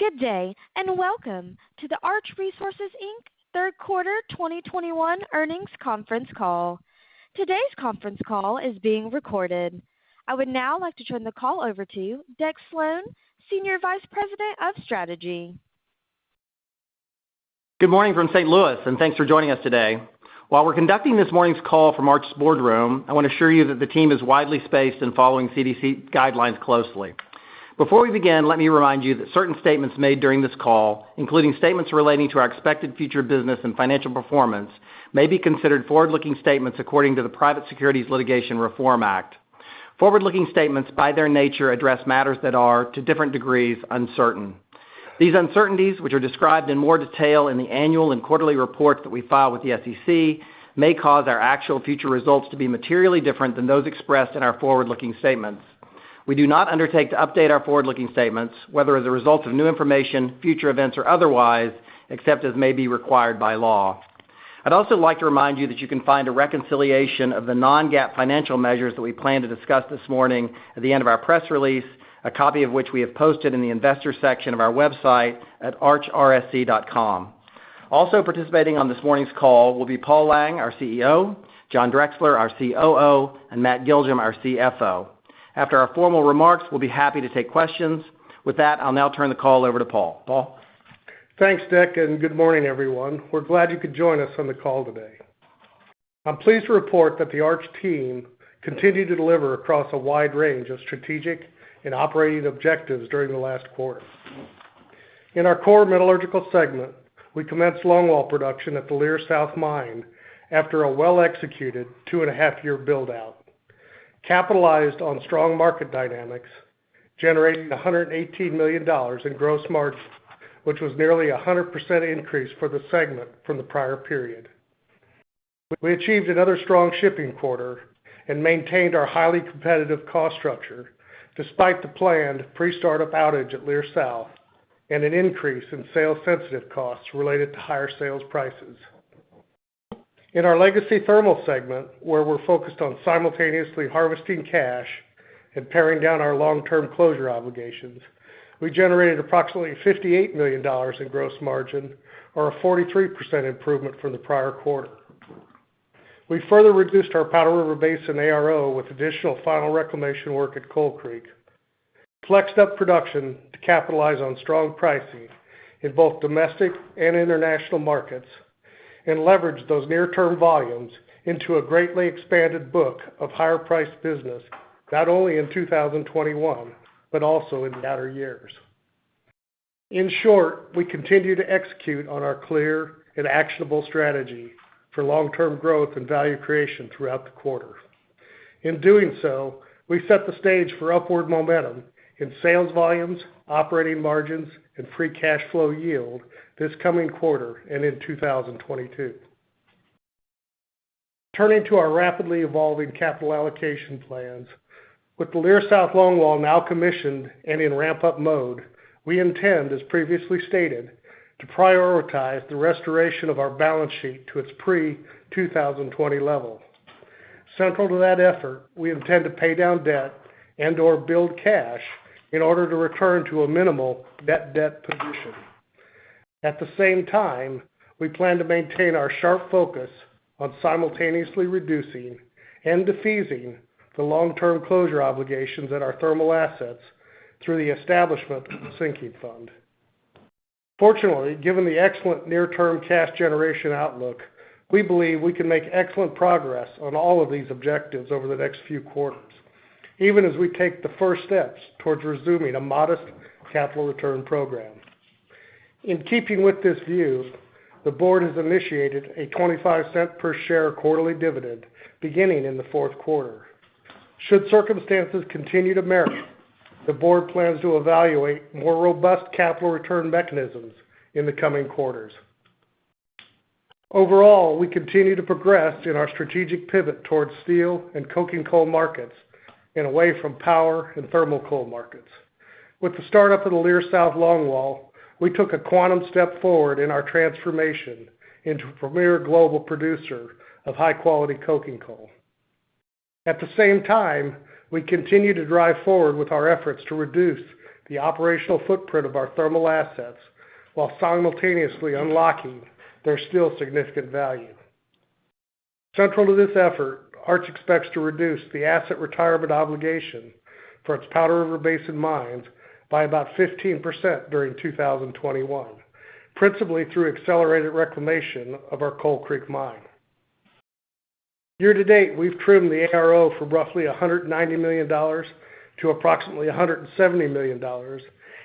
Good day, and welcome to the Arch Resources, Inc. Third Quarter 2021 Earnings Conference Call. Today's conference call is being recorded. I would now like to turn the call over to you, Deck Slone, Senior Vice President of Strategy. Good morning from St. Louis, and thanks for joining us today. While we're conducting this morning's call from Arch's boardroom, I wanna assure you that the team is widely spaced and following CDC guidelines closely. Before we begin, let me remind you that certain statements made during this call, including statements relating to our expected future business and financial performance, may be considered forward-looking statements according to the Private Securities Litigation Reform Act. Forward-looking statements, by their nature, address matters that are, to different degrees, uncertain. These uncertainties, which are described in more detail in the annual and quarterly reports that we file with the SEC, may cause our actual future results to be materially different than those expressed in our forward-looking statements. We do not undertake to update our forward-looking statements, whether as a result of new information, future events, or otherwise, except as may be required by law. I'd also like to remind you that you can find a reconciliation of the non-GAAP financial measures that we plan to discuss this morning at the end of our press release, a copy of which we have posted in the Investor section of our website at archrsc.com. Also participating on this morning's call will be Paul Lang, our CEO, John Drexler, our COO, and Matt Giljum, our CFO. After our formal remarks, we'll be happy to take questions. With that, I'll now turn the call over to Paul. Paul? Thanks, Deck, and good morning, everyone. We're glad you could join us on the call today. I'm pleased to report that the Arch team continued to deliver across a wide range of strategic and operating objectives during the last quarter. In our core metallurgical segment, we commenced longwall production at the Leer South Mine after a well-executed 2.5-year build-out, capitalized on strong market dynamics, generating $118 million in gross margin, which was nearly 100% increase for the segment from the prior period. We achieved another strong shipping quarter and maintained our highly competitive cost structure despite the planned pre-startup outage at Leer South and an increase in sales-sensitive costs related to higher sales prices. In our legacy thermal segment, where we're focused on simultaneously harvesting cash and paring down our long-term closure obligations, we generated approximately $58 million in gross margin, or a 43% improvement from the prior quarter. We further reduced our Powder River Basin ARO with additional final reclamation work at Coal Creek, flexed up production to capitalize on strong pricing in both domestic and international markets, and leveraged those near-term volumes into a greatly expanded book of higher-priced business, not only in 2021, but also in the outer years. In short, we continue to execute on our clear and actionable strategy for long-term growth and value creation throughout the quarter. In doing so, we set the stage for upward momentum in sales volumes, operating margins, and free cash flow yield this coming quarter and in 2022. Turning to our rapidly evolving capital allocation plans, with the Leer South longwall now commissioned and in ramp-up mode, we intend, as previously stated, to prioritize the restoration of our balance sheet to its pre-2020 level. Central to that effort, we intend to pay down debt and/or build cash in order to return to a minimal net debt position. At the same time, we plan to maintain our sharp focus on simultaneously reducing and defeasing the long-term closure obligations at our thermal assets through the establishment of a sinking fund. Fortunately, given the excellent near-term cash generation outlook, we believe we can make excellent progress on all of these objectives over the next few quarters, even as we take the first steps towards resuming a modest capital return program. In keeping with this view, the board has initiated a $0.25 per share quarterly dividend beginning in the fourth quarter. Should circumstances continue to merit, the board plans to evaluate more robust capital return mechanisms in the coming quarters. Overall, we continue to progress in our strategic pivot towards steel and coking coal markets and away from power and thermal coal markets. With the start-up of the Leer South longwall, we took a quantum step forward in our transformation into a premier global producer of high-quality coking coal. At the same time, we continue to drive forward with our efforts to reduce the operational footprint of our thermal assets while simultaneously unlocking their still significant value. Central to this effort, Arch expects to reduce the asset retirement obligation for its Powder River Basin mines by about 15% during 2021, principally through accelerated reclamation of our Coal Creek mine. Year-to-date, we've trimmed the ARO from roughly $190 million to approximately $170 million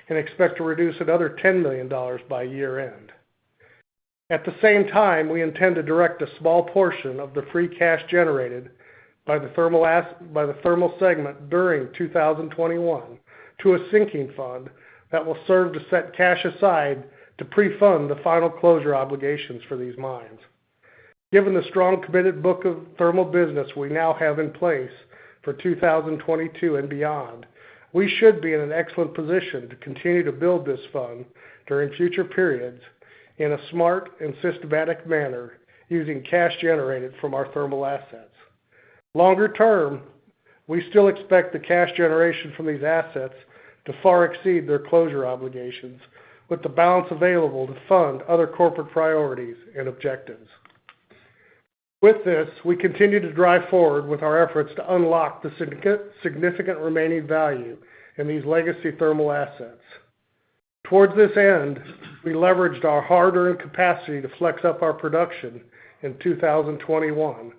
and expect to reduce another $10 million by year-end. At the same time, we intend to direct a small portion of the free cash generated by the thermal segment during 2021 to a sinking fund that will serve to set cash aside to pre-fund the final closure obligations for these mines. Given the strong committed book of thermal business we now have in place for 2022 and beyond, we should be in an excellent position to continue to build this fund during future periods in a smart and systematic manner using cash generated from our thermal assets. Longer term, we still expect the cash generation from these assets to far exceed their closure obligations, with the balance available to fund other corporate priorities and objectives. With this, we continue to drive forward with our efforts to unlock the significant remaining value in these legacy thermal assets. Toward this end, we leveraged our hard-earned capacity to flex up our production in 2021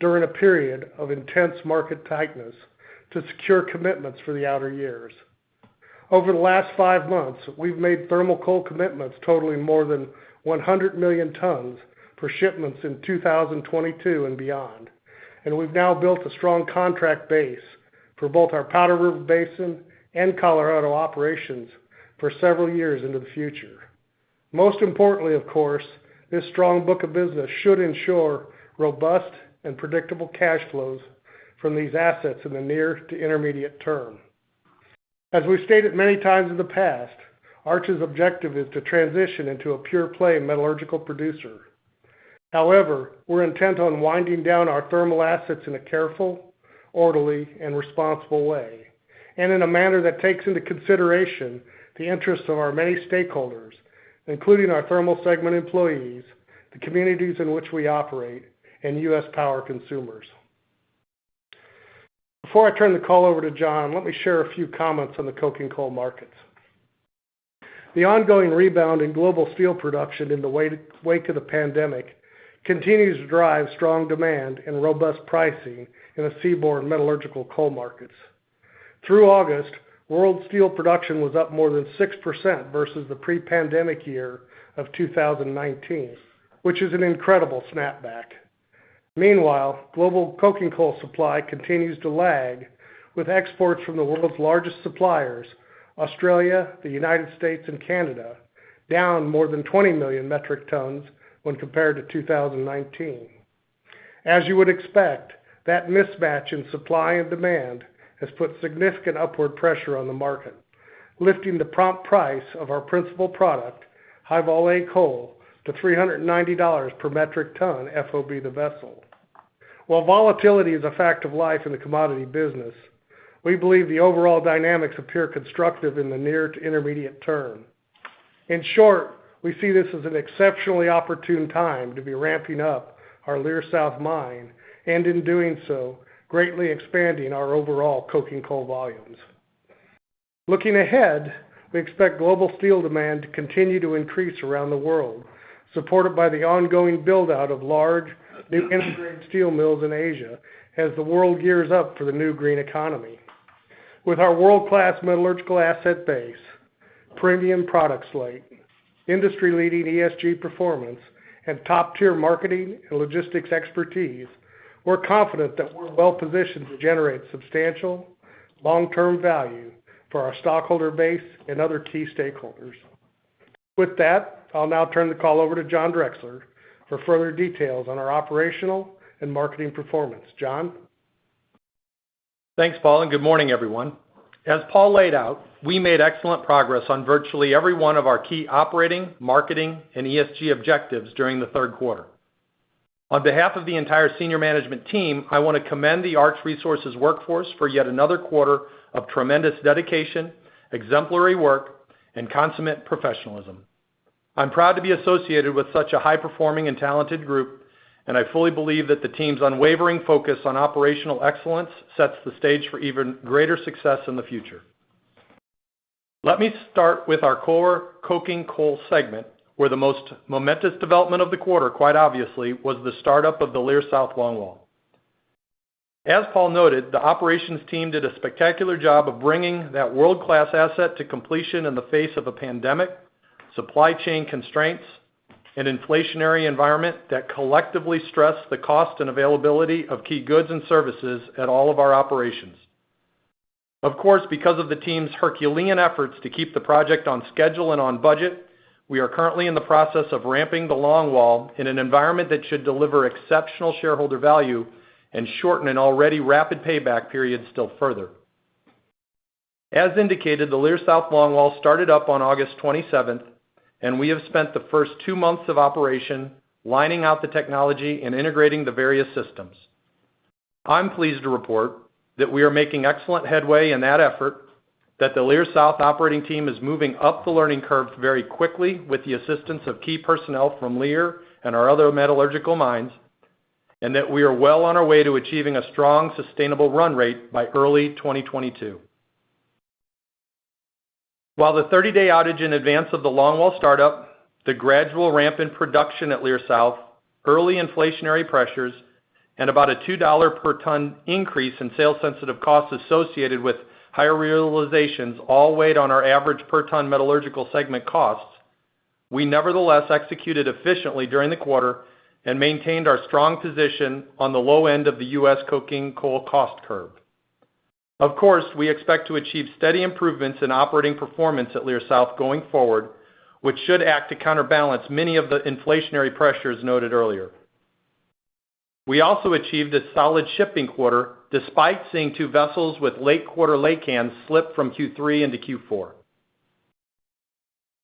during a period of intense market tightness to secure commitments for the outer years. Over the last five months, we've made thermal coal commitments totaling more than 100 million tons for shipments in 2022 and beyond. We've now built a strong contract base for both our Powder River Basin and Colorado operations for several years into the future. Most importantly, of course, this strong book of business should ensure robust and predictable cash flows from these assets in the near to intermediate term. As we've stated many times in the past, Arch's objective is to transition into a pure-play metallurgical producer. However, we're intent on winding down our thermal assets in a careful, orderly, and responsible way, and in a manner that takes into consideration the interests of our many stakeholders, including our thermal segment employees, the communities in which we operate, and U.S. power consumers. Before I turn the call over to John, let me share a few comments on the coking coal markets. The ongoing rebound in global steel production in the wake of the pandemic continues to drive strong demand and robust pricing in the seaborne metallurgical coal markets. Through August, world steel production was up more than 6% versus the pre-pandemic year of 2019, which is an incredible snapback. Meanwhile, global coking coal supply continues to lag, with exports from the world's largest suppliers, Australia, the United States, and Canada, down more than 20 million metric tons when compared to 2019. As you would expect, that mismatch in supply and demand has put significant upward pressure on the market, lifting the prompt price of our principal product, High-Vol A coal, to $390 per metric ton FOB the vessel. While volatility is a fact of life in the commodity business, we believe the overall dynamics appear constructive in the near to intermediate term. In short, we see this as an exceptionally opportune time to be ramping up our Leer South Mine, and in doing so, greatly expanding our overall coking coal volumes. Looking ahead, we expect global steel demand to continue to increase around the world, supported by the ongoing build-out of large, new integrated steel mills in Asia as the world gears up for the new green economy. With our world-class metallurgical asset base, premium product slate, industry-leading ESG performance, and top-tier marketing and logistics expertise, we're confident that we're well-positioned to generate substantial long-term value for our stockholder base and other key stakeholders. With that, I'll now turn the call over to John Drexler for further details on our operational and marketing performance. John? Thanks, Paul, and good morning, everyone. As Paul laid out, we made excellent progress on virtually every one of our key operating, marketing, and ESG objectives during the third quarter. On behalf of the entire senior management team, I want to commend the Arch Resources workforce for yet another quarter of tremendous dedication, exemplary work, and consummate professionalism. I'm proud to be associated with such a high-performing and talented group, and I fully believe that the team's unwavering focus on operational excellence sets the stage for even greater success in the future. Let me start with our core coking coal segment, where the most momentous development of the quarter, quite obviously, was the startup of the Leer South longwall. As Paul noted, the operations team did a spectacular job of bringing that world-class asset to completion in the face of a pandemic, supply chain constraints, an inflationary environment that collectively stressed the cost and availability of key goods and services at all of our operations. Of course, because of the team's Herculean efforts to keep the project on schedule and on budget, we are currently in the process of ramping the longwall in an environment that should deliver exceptional shareholder value and shorten an already rapid payback period still further. As indicated, the Leer South longwall started up on August 27th, and we have spent the first two months of operation lining out the technology and integrating the various systems. I'm pleased to report that we are making excellent headway in that effort, that the Leer South operating team is moving up the learning curve very quickly with the assistance of key personnel from Leer and our other metallurgical mines, and that we are well on our way to achieving a strong, sustainable run rate by early 2022. While the 30-day outage in advance of the longwall startup, the gradual ramp in production at Leer South, early inflationary pressures, and about a $2 per ton increase in sales sensitive costs associated with higher realizations all weighed on our average per ton metallurgical segment costs, we nevertheless executed efficiently during the quarter and maintained our strong position on the low end of the U.S. coking coal cost curve. Of course, we expect to achieve steady improvements in operating performance at Leer South going forward, which should act to counterbalance many of the inflationary pressures noted earlier. We also achieved a solid shipping quarter despite seeing two vessels with late-quarter laycans slip from Q3 into Q4.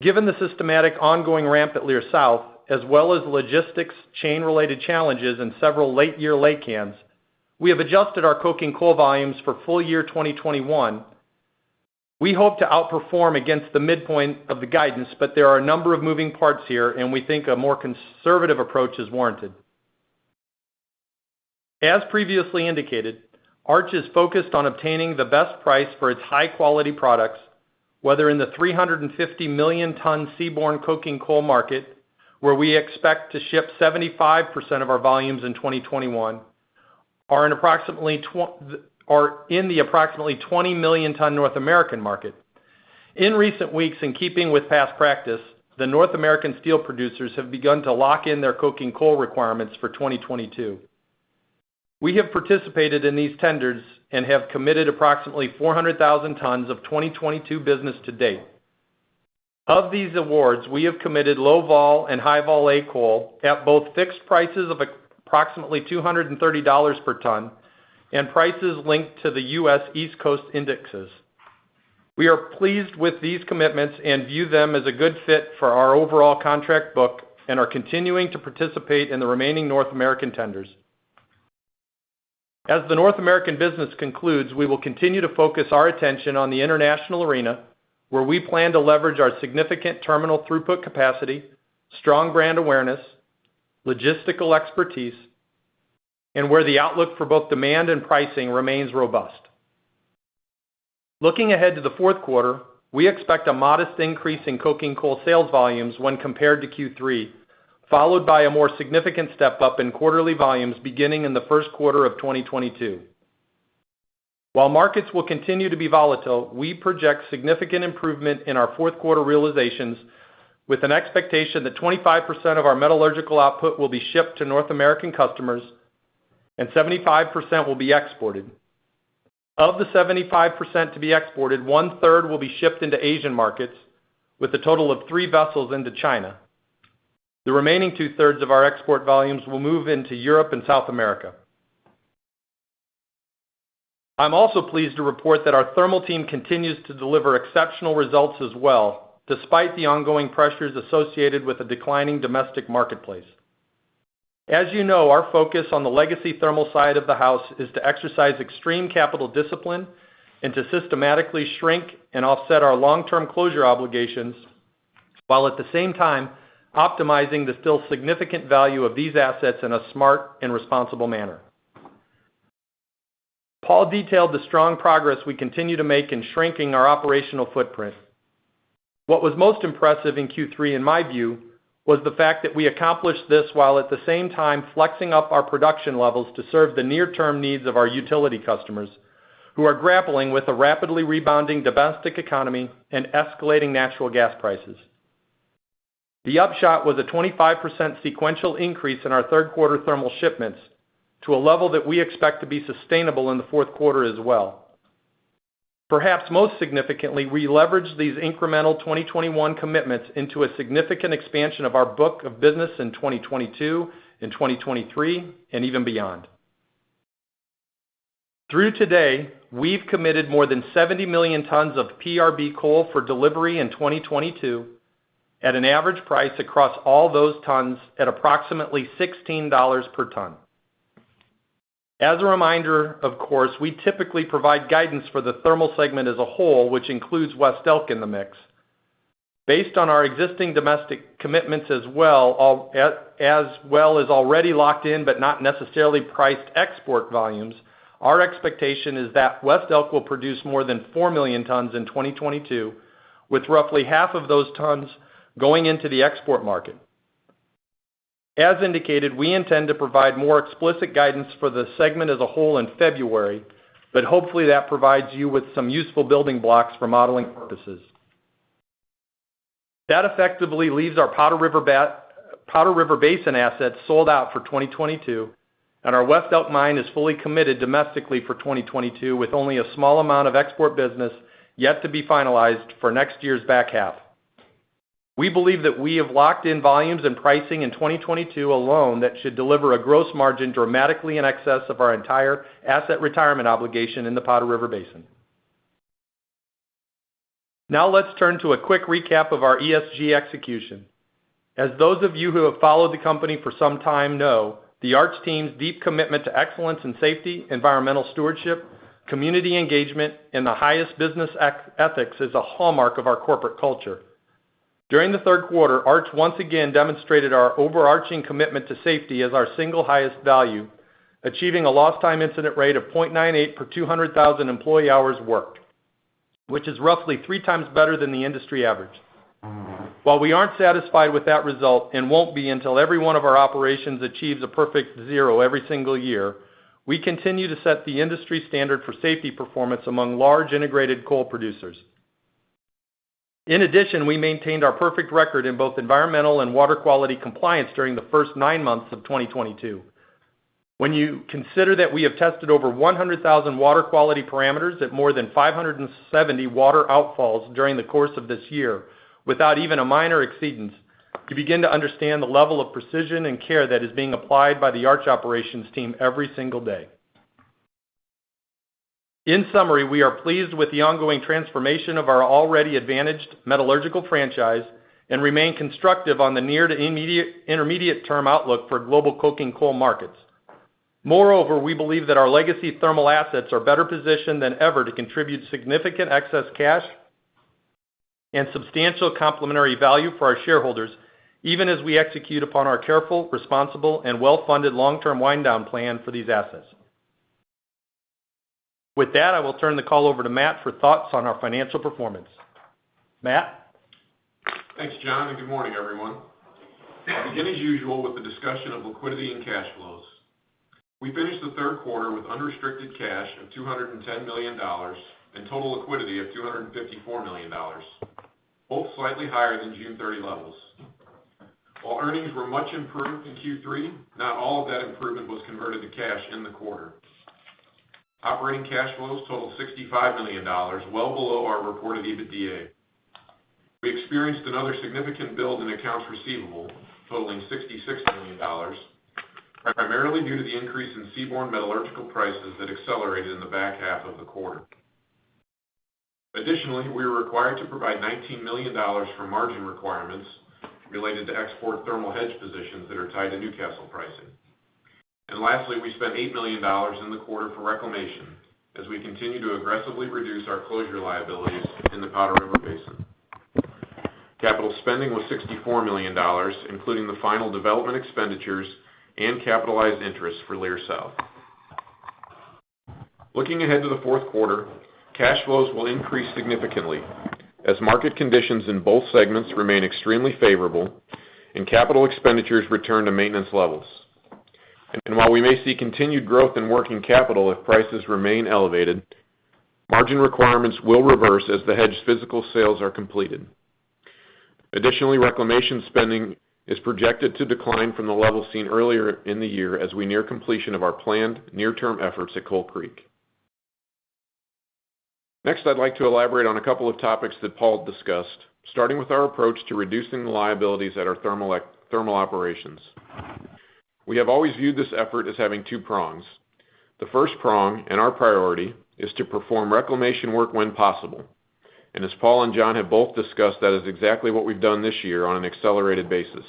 Given the systematic ongoing ramp at Leer South, as well as logistics chain-related challenges in several late-year laycans, we have adjusted our coking coal volumes for full year 2021. We hope to outperform against the midpoint of the guidance, but there are a number of moving parts here, and we think a more conservative approach is warranted. As previously indicated, Arch is focused on obtaining the best price for its high-quality products, whether in the 350 million ton seaborne coking coal market, where we expect to ship 75% of our volumes in 2021, or in the approximately 20 million ton North American market. In recent weeks, in keeping with past practice, the North American steel producers have begun to lock in their coking coal requirements for 2022. We have participated in these tenders and have committed approximately 400,000 tons of 2022 business to date. Of these awards, we have committed low-vol and High-Vol A coal at both fixed prices of approximately $230 per ton and prices linked to the U.S. East Coast indexes. We are pleased with these commitments and view them as a good fit for our overall contract book and are continuing to participate in the remaining North American tenders. As the North American business concludes, we will continue to focus our attention on the international arena, where we plan to leverage our significant terminal throughput capacity, strong brand awareness, logistical expertise, and where the outlook for both demand and pricing remains robust. Looking ahead to the fourth quarter, we expect a modest increase in coking coal sales volumes when compared to Q3, followed by a more significant step-up in quarterly volumes beginning in the first quarter of 2022. While markets will continue to be volatile, we project significant improvement in our fourth quarter realizations with an expectation that 25% of our metallurgical output will be shipped to North American customers and 75% will be exported. Of the 75% to be exported, 1/3 will be shipped into Asian markets with a total of three vessels into China. The remaining 2/3 of our export volumes will move into Europe and South America. I'm also pleased to report that our thermal team continues to deliver exceptional results as well, despite the ongoing pressures associated with a declining domestic marketplace. As you know, our focus on the legacy thermal side of the house is to exercise extreme capital discipline and to systematically shrink and offset our long-term closure obligations, while at the same time optimizing the still significant value of these assets in a smart and responsible manner. Paul detailed the strong progress we continue to make in shrinking our operational footprint. What was most impressive in Q3, in my view, was the fact that we accomplished this while at the same time flexing up our production levels to serve the near-term needs of our utility customers who are grappling with a rapidly rebounding domestic economy and escalating natural gas prices. The upshot was a 25% sequential increase in our third quarter thermal shipments to a level that we expect to be sustainable in the fourth quarter as well. Perhaps most significantly, we leveraged these incremental 2021 commitments into a significant expansion of our book of business in 2022, in 2023, and even beyond. Through today, we've committed more than 70 million tons of PRB coal for delivery in 2022 at an average price across all those tons at approximately $16 per ton. As a reminder, of course, we typically provide guidance for the thermal segment as a whole, which includes West Elk in the mix. Based on our existing domestic commitments as well, as well as already locked in but not necessarily priced export volumes, our expectation is that West Elk will produce more than 4 million tons in 2022, with roughly half of those tons going into the export market. As indicated, we intend to provide more explicit guidance for the segment as a whole in February, but hopefully that provides you with some useful building blocks for modeling purposes. That effectively leaves our Powder River Basin assets sold out for 2022, and our West Elk mine is fully committed domestically for 2022, with only a small amount of export business yet to be finalized for next year's back half. We believe that we have locked in volumes and pricing in 2022 alone that should deliver a gross margin dramatically in excess of our entire asset retirement obligation in the Powder River Basin. Now let's turn to a quick recap of our ESG execution. As those of you who have followed the company for some time know, the Arch team's deep commitment to excellence in safety, environmental stewardship, community engagement, and the highest business ethics is a hallmark of our corporate culture. During the third quarter, Arch once again demonstrated our overarching commitment to safety as our single highest value, achieving a lost time incident rate of 0.98 per 200,000 employee hours worked, which is roughly three times better than the industry average. While we aren't satisfied with that result and won't be until every one of our operations achieves a perfect zero every single year, we continue to set the industry standard for safety performance among large integrated coal producers. In addition, we maintained our perfect record in both environmental and water quality compliance during the first nine months of 2022. When you consider that we have tested over 100,000 water quality parameters at more than 570 water outfalls during the course of this year without even a minor exceedance, you begin to understand the level of precision and care that is being applied by the Arch operations team every single day. In summary, we are pleased with the ongoing transformation of our already advantaged metallurgical franchise and remain constructive on the near to immediate- intermediate term outlook for global coking coal markets. Moreover, we believe that our legacy thermal assets are better positioned than ever to contribute significant excess cash and substantial complementary value for our shareholders, even as we execute upon our careful, responsible, and well-funded long-term wind down plan for these assets. With that, I will turn the call over to Matt for thoughts on our financial performance. Matt? Thanks, John, and good morning, everyone. I'll begin as usual with the discussion of liquidity and cash flows. We finished the third quarter with unrestricted cash of $210 million and total liquidity of $254 million, both slightly higher than June 30 levels. While earnings were much improved in Q3, not all of that improvement was converted to cash in the quarter. Operating cash flows totaled $65 million, well below our reported EBITDA. We experienced another significant build in accounts receivable totaling $66 million, primarily due to the increase in seaborne metallurgical prices that accelerated in the back half of the quarter. Additionally, we were required to provide $19 million for margin requirements related to export thermal hedge positions that are tied to Newcastle pricing. Lastly, we spent $8 million in the quarter for reclamation as we continue to aggressively reduce our closure liabilities in the Powder River Basin. Capital spending was $64 million, including the final development expenditures and capitalized interest for Leer South. Looking ahead to the fourth quarter, cash flows will increase significantly as market conditions in both segments remain extremely favorable and capital expenditures return to maintenance levels. While we may see continued growth in working capital if prices remain elevated, margin requirements will reverse as the hedged physical sales are completed. Additionally, reclamation spending is projected to decline from the levels seen earlier in the year as we near completion of our planned near-term efforts at Coal Creek. Next, I'd like to elaborate on a couple of topics that Paul discussed, starting with our approach to reducing the liabilities at our thermal operations. We have always viewed this effort as having two prongs. The first prong, and our priority, is to perform reclamation work when possible. As Paul and John have both discussed, that is exactly what we've done this year on an accelerated basis.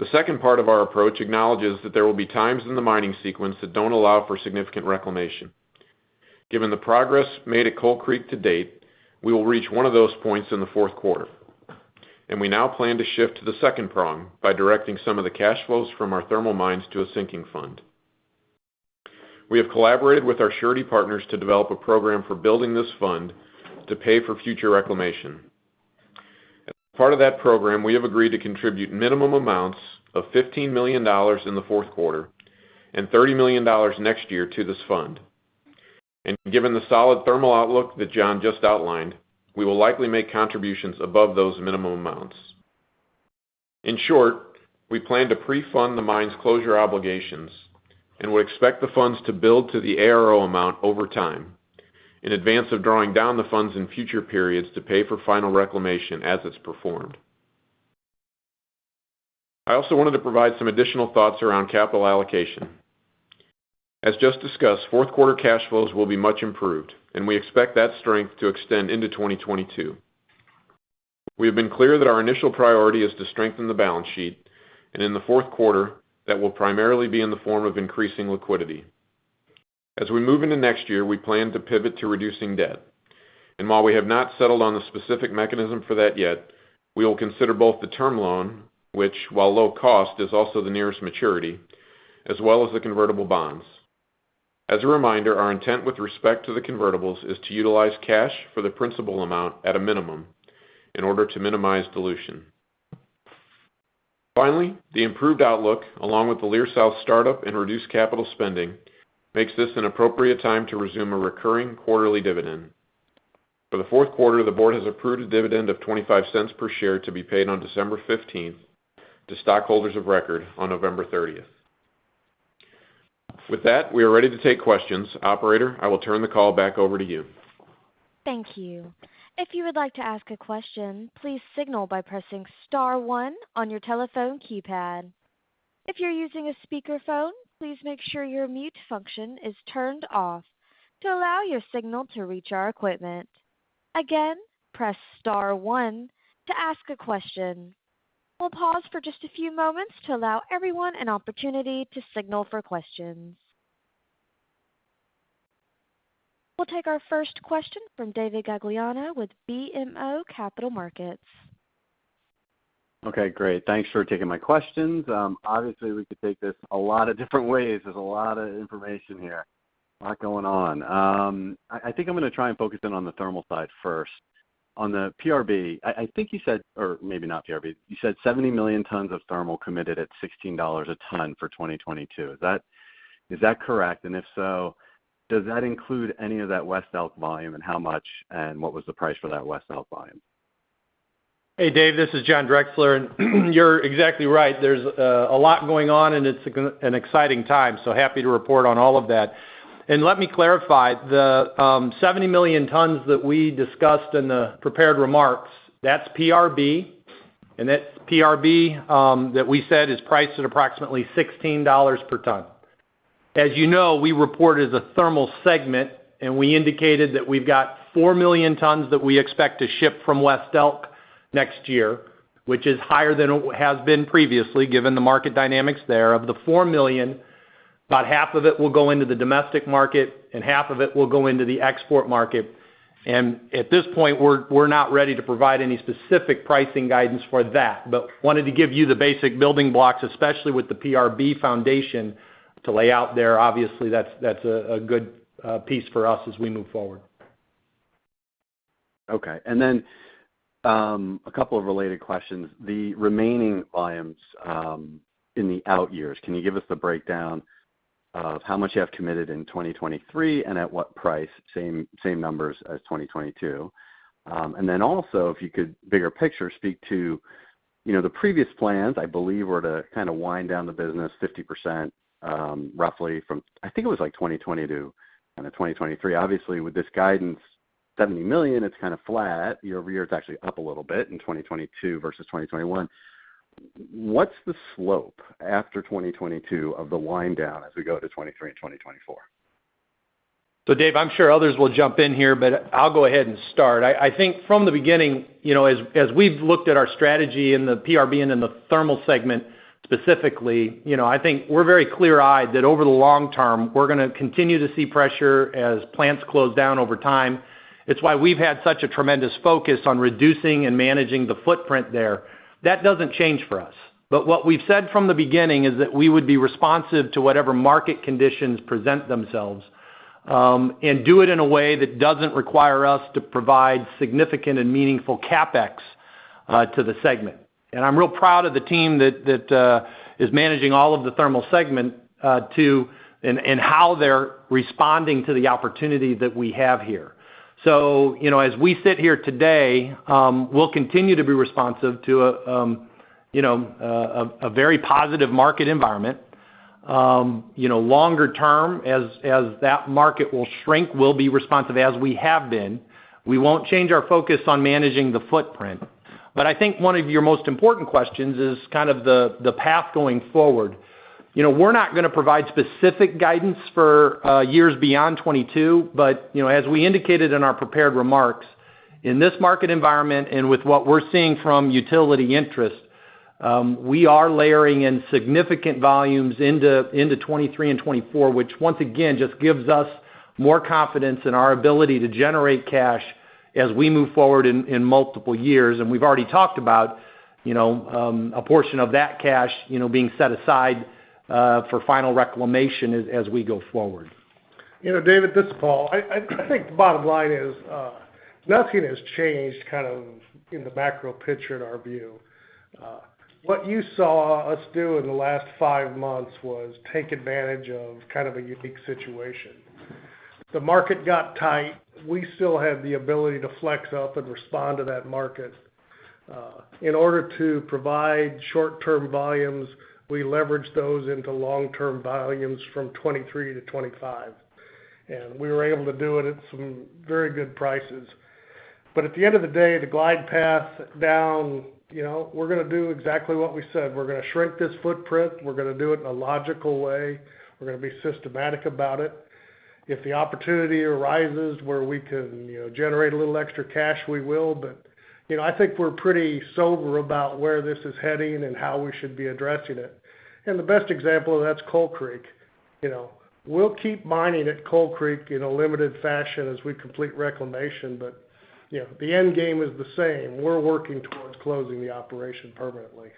The second part of our approach acknowledges that there will be times in the mining sequence that don't allow for significant reclamation. Given the progress made at Coal Creek to date, we will reach one of those points in the fourth quarter, and we now plan to shift to the second prong by directing some of the cash flows from our thermal mines to a sinking fund. We have collaborated with our surety partners to develop a program for building this fund to pay for future reclamation. As part of that program, we have agreed to contribute minimum amounts of $15 million in the fourth quarter and $30 million next year to this fund. Given the solid thermal outlook that John just outlined, we will likely make contributions above those minimum amounts. In short, we plan to pre-fund the mine's closure obligations and would expect the funds to build to the ARO amount over time in advance of drawing down the funds in future periods to pay for final reclamation as it's performed. I also wanted to provide some additional thoughts around capital allocation. As just discussed, fourth quarter cash flows will be much improved, and we expect that strength to extend into 2022. We have been clear that our initial priority is to strengthen the balance sheet, and in the fourth quarter, that will primarily be in the form of increasing liquidity. As we move into next year, we plan to pivot to reducing debt. While we have not settled on the specific mechanism for that yet, we will consider both the term loan, which while low cost, is also the nearest maturity, as well as the convertible bonds. As a reminder, our intent with respect to the convertibles is to utilize cash for the principal amount at a minimum in order to minimize dilution. Finally, the improved outlook, along with the Leer South startup and reduced capital spending, makes this an appropriate time to resume a recurring quarterly dividend. For the fourth quarter, the board has approved a dividend of $0.25 per share to be paid on December 15 to stockholders of record on November 30. With that, we are ready to take questions. Operator, I will turn the call back over to you. Thank you. If you would like to ask a question, please signal by pressing star one on your telephone keypad. If you're using a speakerphone, please make sure your mute function is turned off to allow your signal to reach our equipment. Again, press star one to ask a question. We'll pause for just a few moments to allow everyone an opportunity to signal for questions. We'll take our first question from David Gagliano with BMO Capital Markets. Okay, great. Thanks for taking my questions. Obviously, we could take this a lot of different ways. There's a lot of information here. A lot going on. I think I'm gonna try and focus in on the thermal side first. On the PRB, I think you said, or maybe not PRB, you said 70 million tons of thermal committed at $16 a ton for 2022. Is that correct? And if so, does that include any of that West Elk volume and how much, and what was the price for that West Elk volume? Hey, Dave, this is John Drexler, and you're exactly right. There's a lot going on, and it's an exciting time, so happy to report on all of that. Let me clarify. The 70 million tons that we discussed in the prepared remarks, that's PRB. That PRB that we said is priced at approximately $16 per ton. As you know, we reported the thermal segment, and we indicated that we've got 4 million tons that we expect to ship from West Elk next year, which is higher than it has been previously, given the market dynamics there. Of the 4 million tons, about half of it will go into the domestic market, and half of it will go into the export market. At this point, we're not ready to provide any specific pricing guidance for that. Wanted to give you the basic building blocks, especially with the PRB foundation to lay out there. Obviously, that's a good piece for us as we move forward. Okay. A couple of related questions. The remaining volumes in the out years, can you give us the breakdown of how much you have committed in 2023, and at what price, same numbers as 2022? If you could, bigger picture, speak to, you know, the previous plans, I believe were to kind of wind down the business 50%, roughly from, I think it was like 2020 to kind of 2023. Obviously, with this guidance, 70 million tons, it's kind of flat. Year-over-year it's actually up a little bit in 2022 versus 2021. What's the slope after 2022 of the wind down as we go to 2023 and 2024? Dave, I'm sure others will jump in here, but I'll go ahead and start. I think from the beginning, you know, as we've looked at our strategy in the PRB and in the thermal segment specifically, you know, I think we're very clear-eyed that over the long term, we're gonna continue to see pressure as plants close down over time. It's why we've had such a tremendous focus on reducing and managing the footprint there. That doesn't change for us. But what we've said from the beginning is that we would be responsive to whatever market conditions present themselves, and do it in a way that doesn't require us to provide significant and meaningful CapEx to the segment. I'm real proud of the team that is managing all of the thermal segment, and how they're responding to the opportunity that we have here. You know, as we sit here today, we'll continue to be responsive to a you know, a very positive market environment. You know, longer term, as that market will shrink, we'll be responsive as we have been. We won't change our focus on managing the footprint. I think one of your most important questions is kind of the path going forward. You know, we're not gonna provide specific guidance for years beyond 2022, but you know, as we indicated in our prepared remarks, in this market environment and with what we're seeing from utility interest, we are layering in significant volumes into 2023 and 2024, which once again just gives us more confidence in our ability to generate cash as we move forward in multiple years. We've already talked about you know, a portion of that cash you know, being set aside for final reclamation as we go forward. You know, David, this is Paul. I think the bottom line is, nothing has changed kind of in the macro picture in our view. What you saw us do in the last five months was take advantage of kind of a unique situation. The market got tight. We still had the ability to flex up and respond to that market. In order to provide short-term volumes, we leveraged those into long-term volumes from 2023-2025. We were able to do it at some very good prices. At the end of the day, the glide path down, you know, we're gonna do exactly what we said. We're gonna shrink this footprint. We're gonna do it in a logical way. We're gonna be systematic about it. If the opportunity arises where we can, you know, generate a little extra cash, we will. You know, I think we're pretty sober about where this is heading and how we should be addressing it. The best example of that's Coal Creek. You know, we'll keep mining at Coal Creek in a limited fashion as we complete reclamation. You know, the end game is the same. We're working towards closing the operation permanently.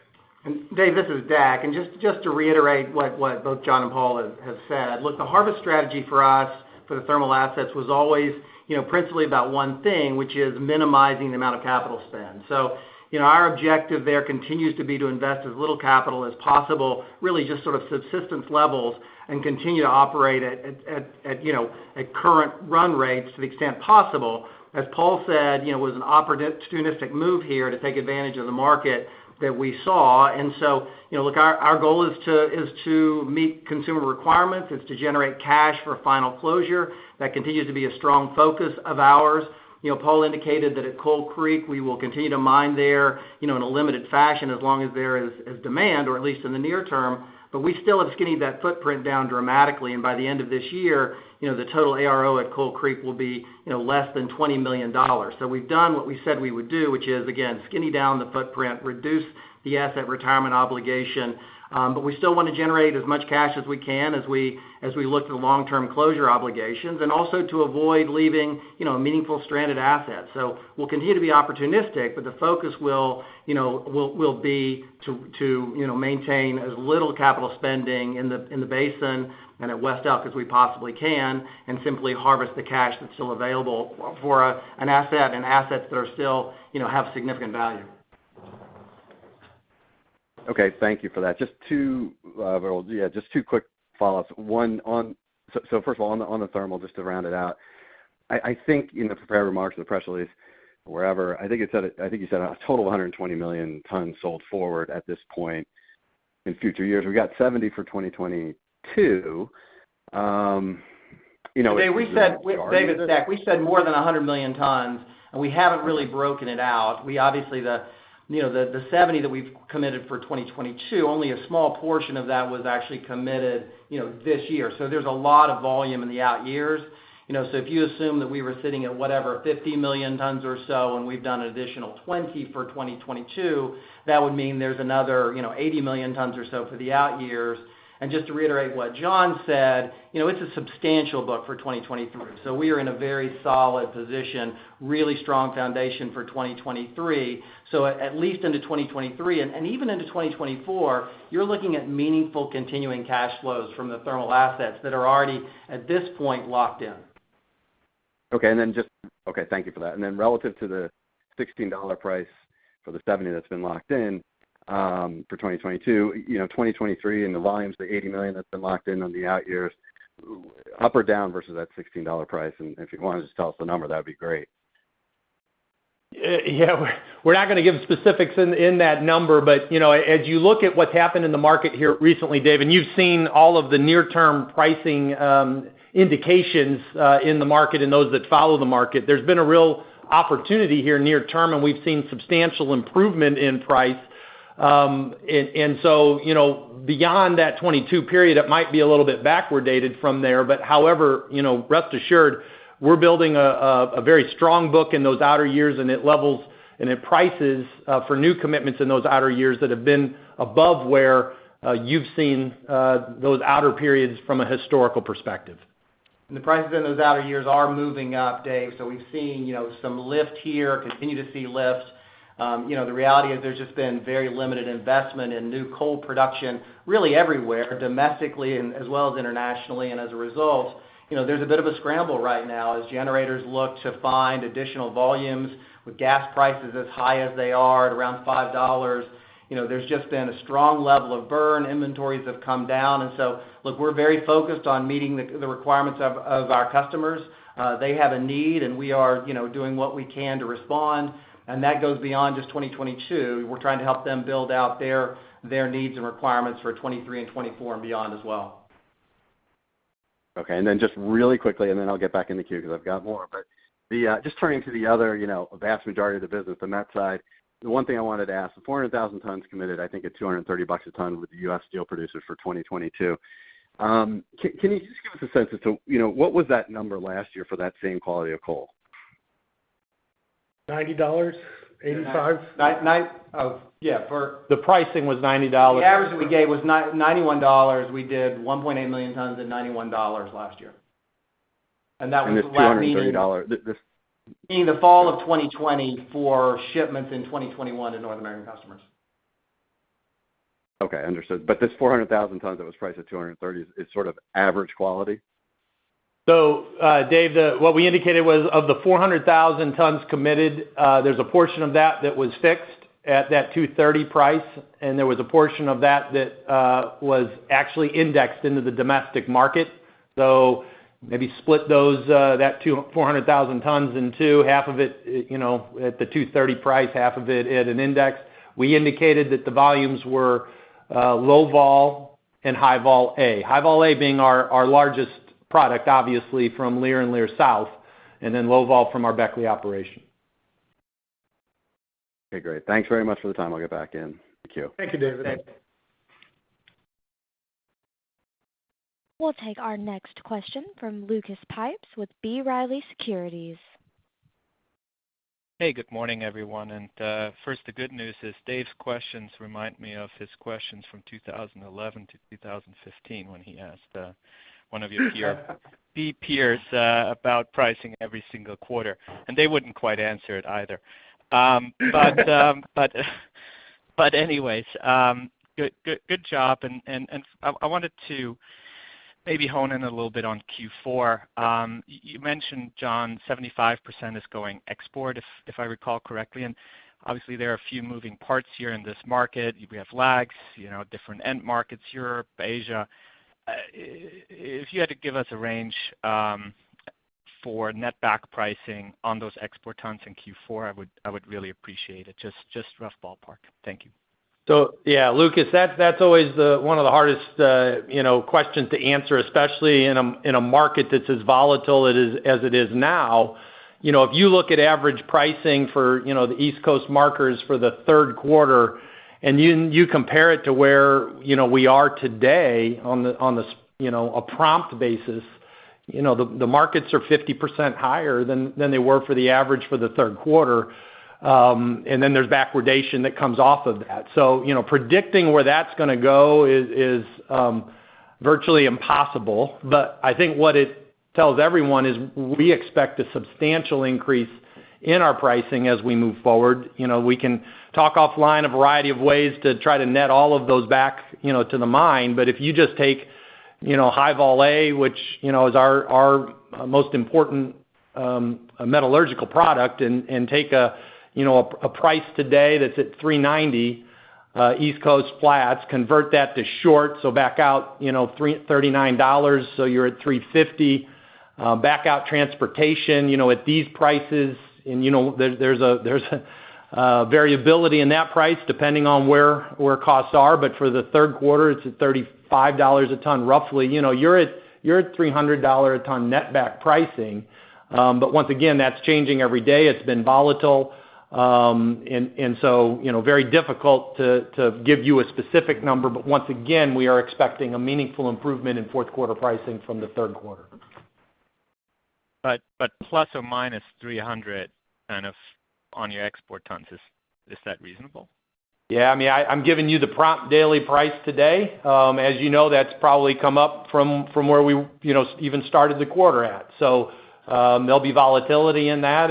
David, this is Deck. Just to reiterate what both John and Paul has said. Look, the harvest strategy for us for the thermal assets was always, you know, principally about one thing, which is minimizing the amount of capital spend. You know, our objective there continues to be to invest as little capital as possible, really just sort of subsistence levels, and continue to operate at, you know, at current run rates to the extent possible. As Paul said, you know, it was an opportunistic move here to take advantage of the market that we saw. You know, look, our goal is to meet consumer requirements, to generate cash for final closure. That continues to be a strong focus of ours. You know, Paul indicated that at Coal Creek, we will continue to mine there, you know, in a limited fashion as long as there is demand, or at least in the near term. We still have skinnied that footprint down dramatically, and by the end of this year, you know, the total ARO at Coal Creek will be, you know, less than $20 million. We've done what we said we would do, which is, again, skinny down the footprint, reduce the asset retirement obligation. We still wanna generate as much cash as we can as we look to long-term closure obligations, and also to avoid leaving, you know, meaningful stranded assets. We'll continue to be opportunistic, but the focus will, you know, be to, you know, maintain as little capital spending in the basin and at West Elk as we possibly can, and simply harvest the cash that's still available for an asset and assets that are still, you know, have significant value. Okay. Thank you for that. Just two quick follow-ups. So first of all, on the thermal just to round it out. I think in the prepared remarks or the press release, wherever, I think you said a total of 120 million tons sold forward at this point in future years. We got 70 million tons for 2022. You know, Dave, we said—Dave, it's Deck. We said more than 100 million tons, and we haven't really broken it out. We obviously, you know, the 70 million tons that we've committed for 2022, only a small portion of that was actually committed, you know, this year. There's a lot of volume in the out years. You know, so if you assume that we were sitting at whatever, 50 million tons or so, and we've done an additional 20 million tons for 2022, that would mean there's another, you know, 80 million tons or so for the out years. Just to reiterate what John said, you know, it's a substantial book for 2023. We are in a very solid position, really strong foundation for 2023. At least into 2023 and even into 2024, you're looking at meaningful continuing cash flows from the thermal assets that are already, at this point, locked in. Okay, thank you for that. Relative to the $16 price for the 70 million tons that's been locked in for 2022, you know, 2023 and the volumes, the 80 million tons that's been locked in on the out years, up or down versus that $16 price. If you wanna just tell us the number, that'd be great. Yeah. We're not gonna give specifics in that number. You know, as you look at what's happened in the market here recently, Dave, and you've seen all of the near-term pricing indications in the market and those that follow the market. There's been a real opportunity here near term, and we've seen substantial improvement in price. You know, beyond that 2022 period, it might be a little bit backward dated from there. However, you know, rest assured, we're building a very strong book in those outer years, and it levels and it prices for new commitments in those outer years that have been above where you've seen those outer periods from a historical perspective. The prices in those outer years are moving up, Dave. We've seen, you know, some lift here, continue to see lift. You know, the reality is there's just been very limited investment in new coal production really everywhere, domestically and as well as internationally. As a result, you know, there's a bit of a scramble right now as generators look to find additional volumes with gas prices as high as they are at around $5. You know, there's just been a strong level of burn. Inventories have come down. Look, we're very focused on meeting the requirements of our customers. They have a need, and we are, you know, doing what we can to respond, and that goes beyond just 2022. We're trying to help them build out their needs and requirements for 2023 and 2024 and beyond as well. Okay. Just really quickly, and then I'll get back in the queue because I've got more. Just turning to the other, you know, vast majority of the business on that side. The one thing I wanted to ask, the 400,000 tons committed, I think at $230 a ton with the U.S. steel producers for 2022. Can you just give us a sense as to, you know, what was that number last year for that same quality of coal? $90, $85. Nine. Oh, yeah. The pricing was $90. The average that we gave was $91. We did 1.8 million tons at $91 last year. That was last meaning- And this $230... The, the- Meaning the fall of 2020 for shipments in 2021 to North American customers. Okay, understood. This 400,000 tons that was priced at $230 is sort of average quality? Dave, what we indicated was of the 400,000 tons committed, there's a portion of that that was fixed at that $230 price, and there was a portion of that that was actually indexed into the domestic market. Maybe split that 400,000 tons in two. Half of it, you know, at the $230 price, half of it at an index. We indicated that the volumes were low-vol and High-Vol A. High-Vol A being our largest product, obviously from Leer and Leer South, and then low-vol from our Beckley operation. Okay, great. Thanks very much for the time. I'll get back in. Thank you. Thank you, David. Thanks. We'll take our next question from Lucas Pipes with B. Riley Securities. Hey, good morning, everyone. First, the good news is Dave's questions remind me of his questions from 2011 to 2015 when he asked one of your peers about pricing every single quarter. They wouldn't quite answer it either. But anyways, good job. I wanted to maybe hone in a little bit on Q4. You mentioned, John, 75% is going export, if I recall correctly. Obviously there are a few moving parts here in this market. We have lags, you know, different end markets, Europe, Asia. If you had to give us a range for net back pricing on those export tons in Q4, I would really appreciate it. Just rough ballpark. Thank you. Yeah, Lucas, that's always one of the hardest, you know, questions to answer, especially in a market that's as volatile as it is now. You know, if you look at average pricing for, you know, the East Coast markers for the third quarter and you compare it to where, you know, we are today on a prompt basis. You know, the markets are 50% higher than they were for the average for the third quarter. And then there's backwardation that comes off of that. You know, predicting where that's gonna go is virtually impossible. But I think what it tells everyone is we expect a substantial increase in our pricing as we move forward. You know, we can talk offline a variety of ways to try to net all of those back, you know, to the mine. If you just take, you know, High-Vol A, which, you know, is our most important metallurgical product and take a, you know, a price today that's at $390 East Coast Platts, convert that to short, so back out, you know, $39, so you're at $350. Back out transportation, you know, at these prices. You know, there's a variability in that price depending on where costs are. For the third quarter, it's at $35 a ton roughly. You know, you're at $300 a ton net back pricing. Once again, that's changing every day. It's been volatile. You know, it's very difficult to give you a specific number. Once again, we are expecting a meaningful improvement in fourth quarter pricing from the third quarter. ±$300 kind of on your export tons, is that reasonable? Yeah. I mean, I'm giving you the spot daily price today. As you know, that's probably come up from where we, you know, even started the quarter at. There'll be volatility in that.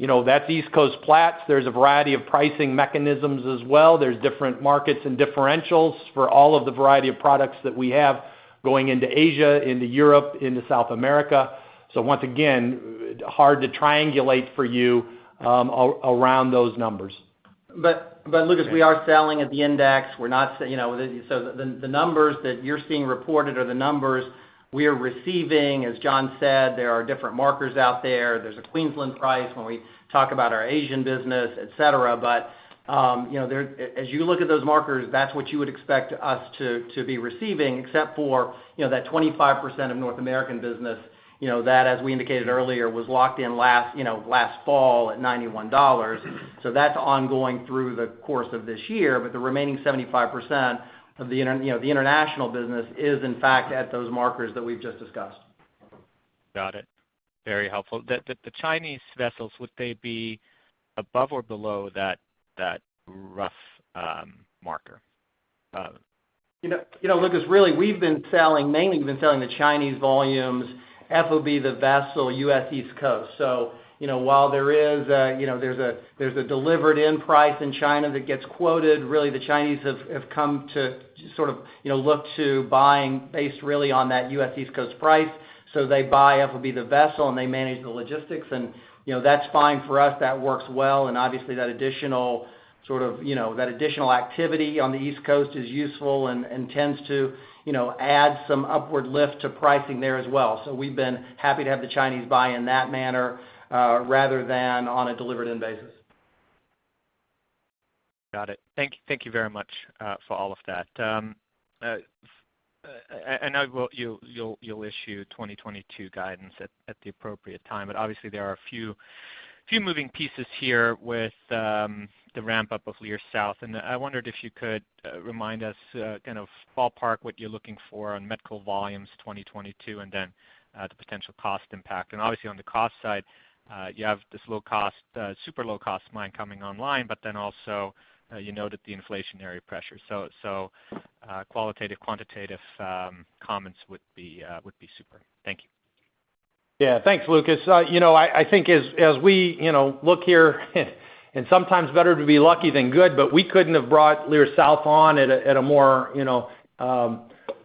You know, that East Coast Platts, there's a variety of pricing mechanisms as well. There's different markets and differentials for all of the variety of products that we have going into Asia, into Europe, into South America. Once again, hard to triangulate for you, around those numbers. Lucas, we are selling at the index. We're not you know, the numbers that you're seeing reported are the numbers we are receiving. As John said, there are different markers out there. There's a Queensland price when we talk about our Asian business, et cetera. You know, as you look at those markers, that's what you would expect us to be receiving, except for, you know, that 25% of North American business, you know, that, as we indicated earlier, was locked in last you know, last fall at $91. That's ongoing through the course of this year. The remaining 75% of the international business is in fact at those markers that we've just discussed. Got it. Very helpful. The Chinese vessels, would they be above or below that rough marker? You know, Lucas, really, we've been selling, mainly we've been selling the Chinese volumes FOB the vessel U.S. East Coast. While there is a delivered-in price in China that gets quoted. Really, the Chinese have come to sort of, you know, look to buying based really on that U.S. East Coast price. They buy FOB the vessel, and they manage the logistics. You know, that's fine for us. That works well. Obviously that additional sort of, you know, that additional activity on the East Coast is useful and tends to, you know, add some upward lift to pricing there as well. We've been happy to have the Chinese buy in that manner rather than on a delivered-in basis. Got it. Thank you very much for all of that. I know you'll issue 2022 guidance at the appropriate time, but obviously there are a few moving pieces here with the ramp up of Leer South. I wondered if you could remind us kind of ballpark what you're looking for on met coal volumes 2022, and then the potential cost impact. Obviously on the cost side you have this low cost super low cost mine coming online, but then also you noted the inflationary pressure. Qualitative, quantitative comments would be super. Thank you. Yeah. Thanks, Lucas. You know, I think as we look here and sometimes better to be lucky than good, but we couldn't have brought Leer South on at a more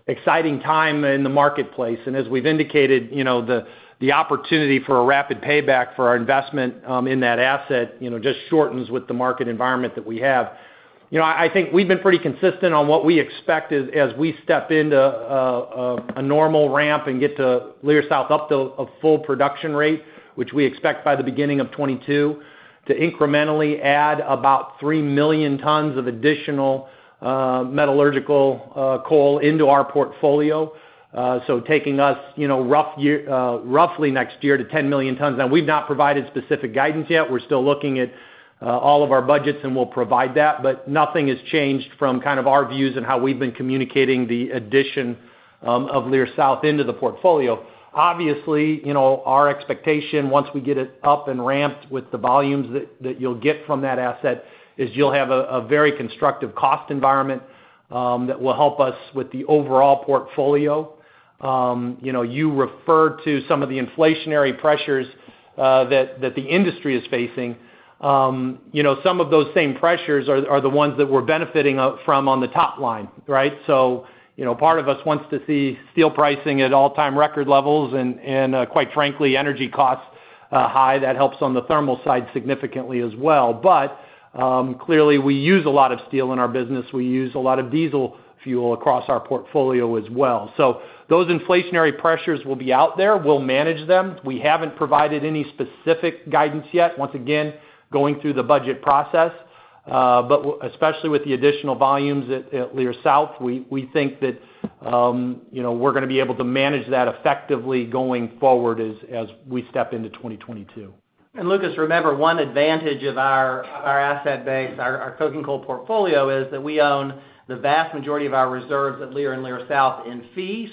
exciting time in the marketplace. As we've indicated, you know, the opportunity for a rapid payback for our investment in that asset just shortens with the market environment that we have. You know, I think we've been pretty consistent on what we expect as we step into a normal ramp and get to Leer South up to a full production rate, which we expect by the beginning of 2022, to incrementally add about 3 million tons of additional metallurgical coal into our portfolio. Taking us, you know, roughly next year to 10 million tons. Now we've not provided specific guidance yet. We're still looking at all of our budgets, and we'll provide that. But nothing has changed from kind of our views and how we've been communicating the addition of Leer South into the portfolio. Obviously, you know, our expectation once we get it up and ramped with the volumes that you'll get from that asset is you'll have a very constructive cost environment that will help us with the overall portfolio. You know, you referred to some of the inflationary pressures that the industry is facing. You know, some of those same pressures are the ones that we're benefiting out from on the top line, right? You know, part of us wants to see steel pricing at all-time record levels and quite frankly, energy costs high. That helps on the thermal side significantly as well. Clearly, we use a lot of steel in our business. We use a lot of diesel fuel across our portfolio as well. Those inflationary pressures will be out there. We'll manage them. We haven't provided any specific guidance yet, once again, going through the budget process. Especially with the additional volumes at Leer South, we think that you know we're gonna be able to manage that effectively going forward as we step into 2022. Lucas, remember, one advantage of our asset base, our coking coal portfolio is that we own the vast majority of our reserves at Leer and Leer South in fee.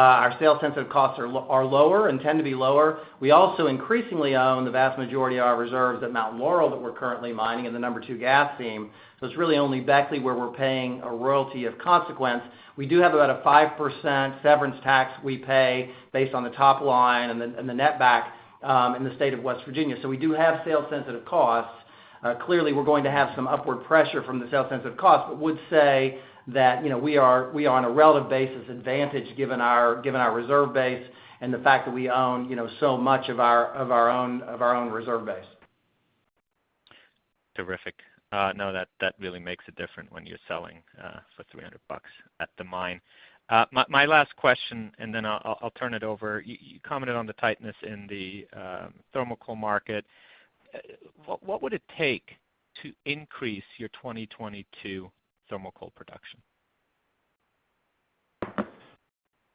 Our sales sensitive costs are lower and tend to be lower. We also increasingly own the vast majority of our reserves at Mountain Laurel that we're currently mining in the No. 2 Gas seam. It's really only Beckley where we're paying a royalty of consequence. We do have about a 5% severance tax we pay based on the top line and the net back in the state of West Virginia. We do have sales sensitive costs. Clearly we're going to have some upward pressure from the sales sensitive cost, but would say that, you know, we are on a relative basis advantage given our reserve base and the fact that we own, you know, so much of our own reserve base. Terrific. No, that really makes a difference when you're selling for $300 at the mine. My last question and then I'll turn it over. You commented on the tightness in the thermal coal market. What would it take to increase your 2022 thermal coal production?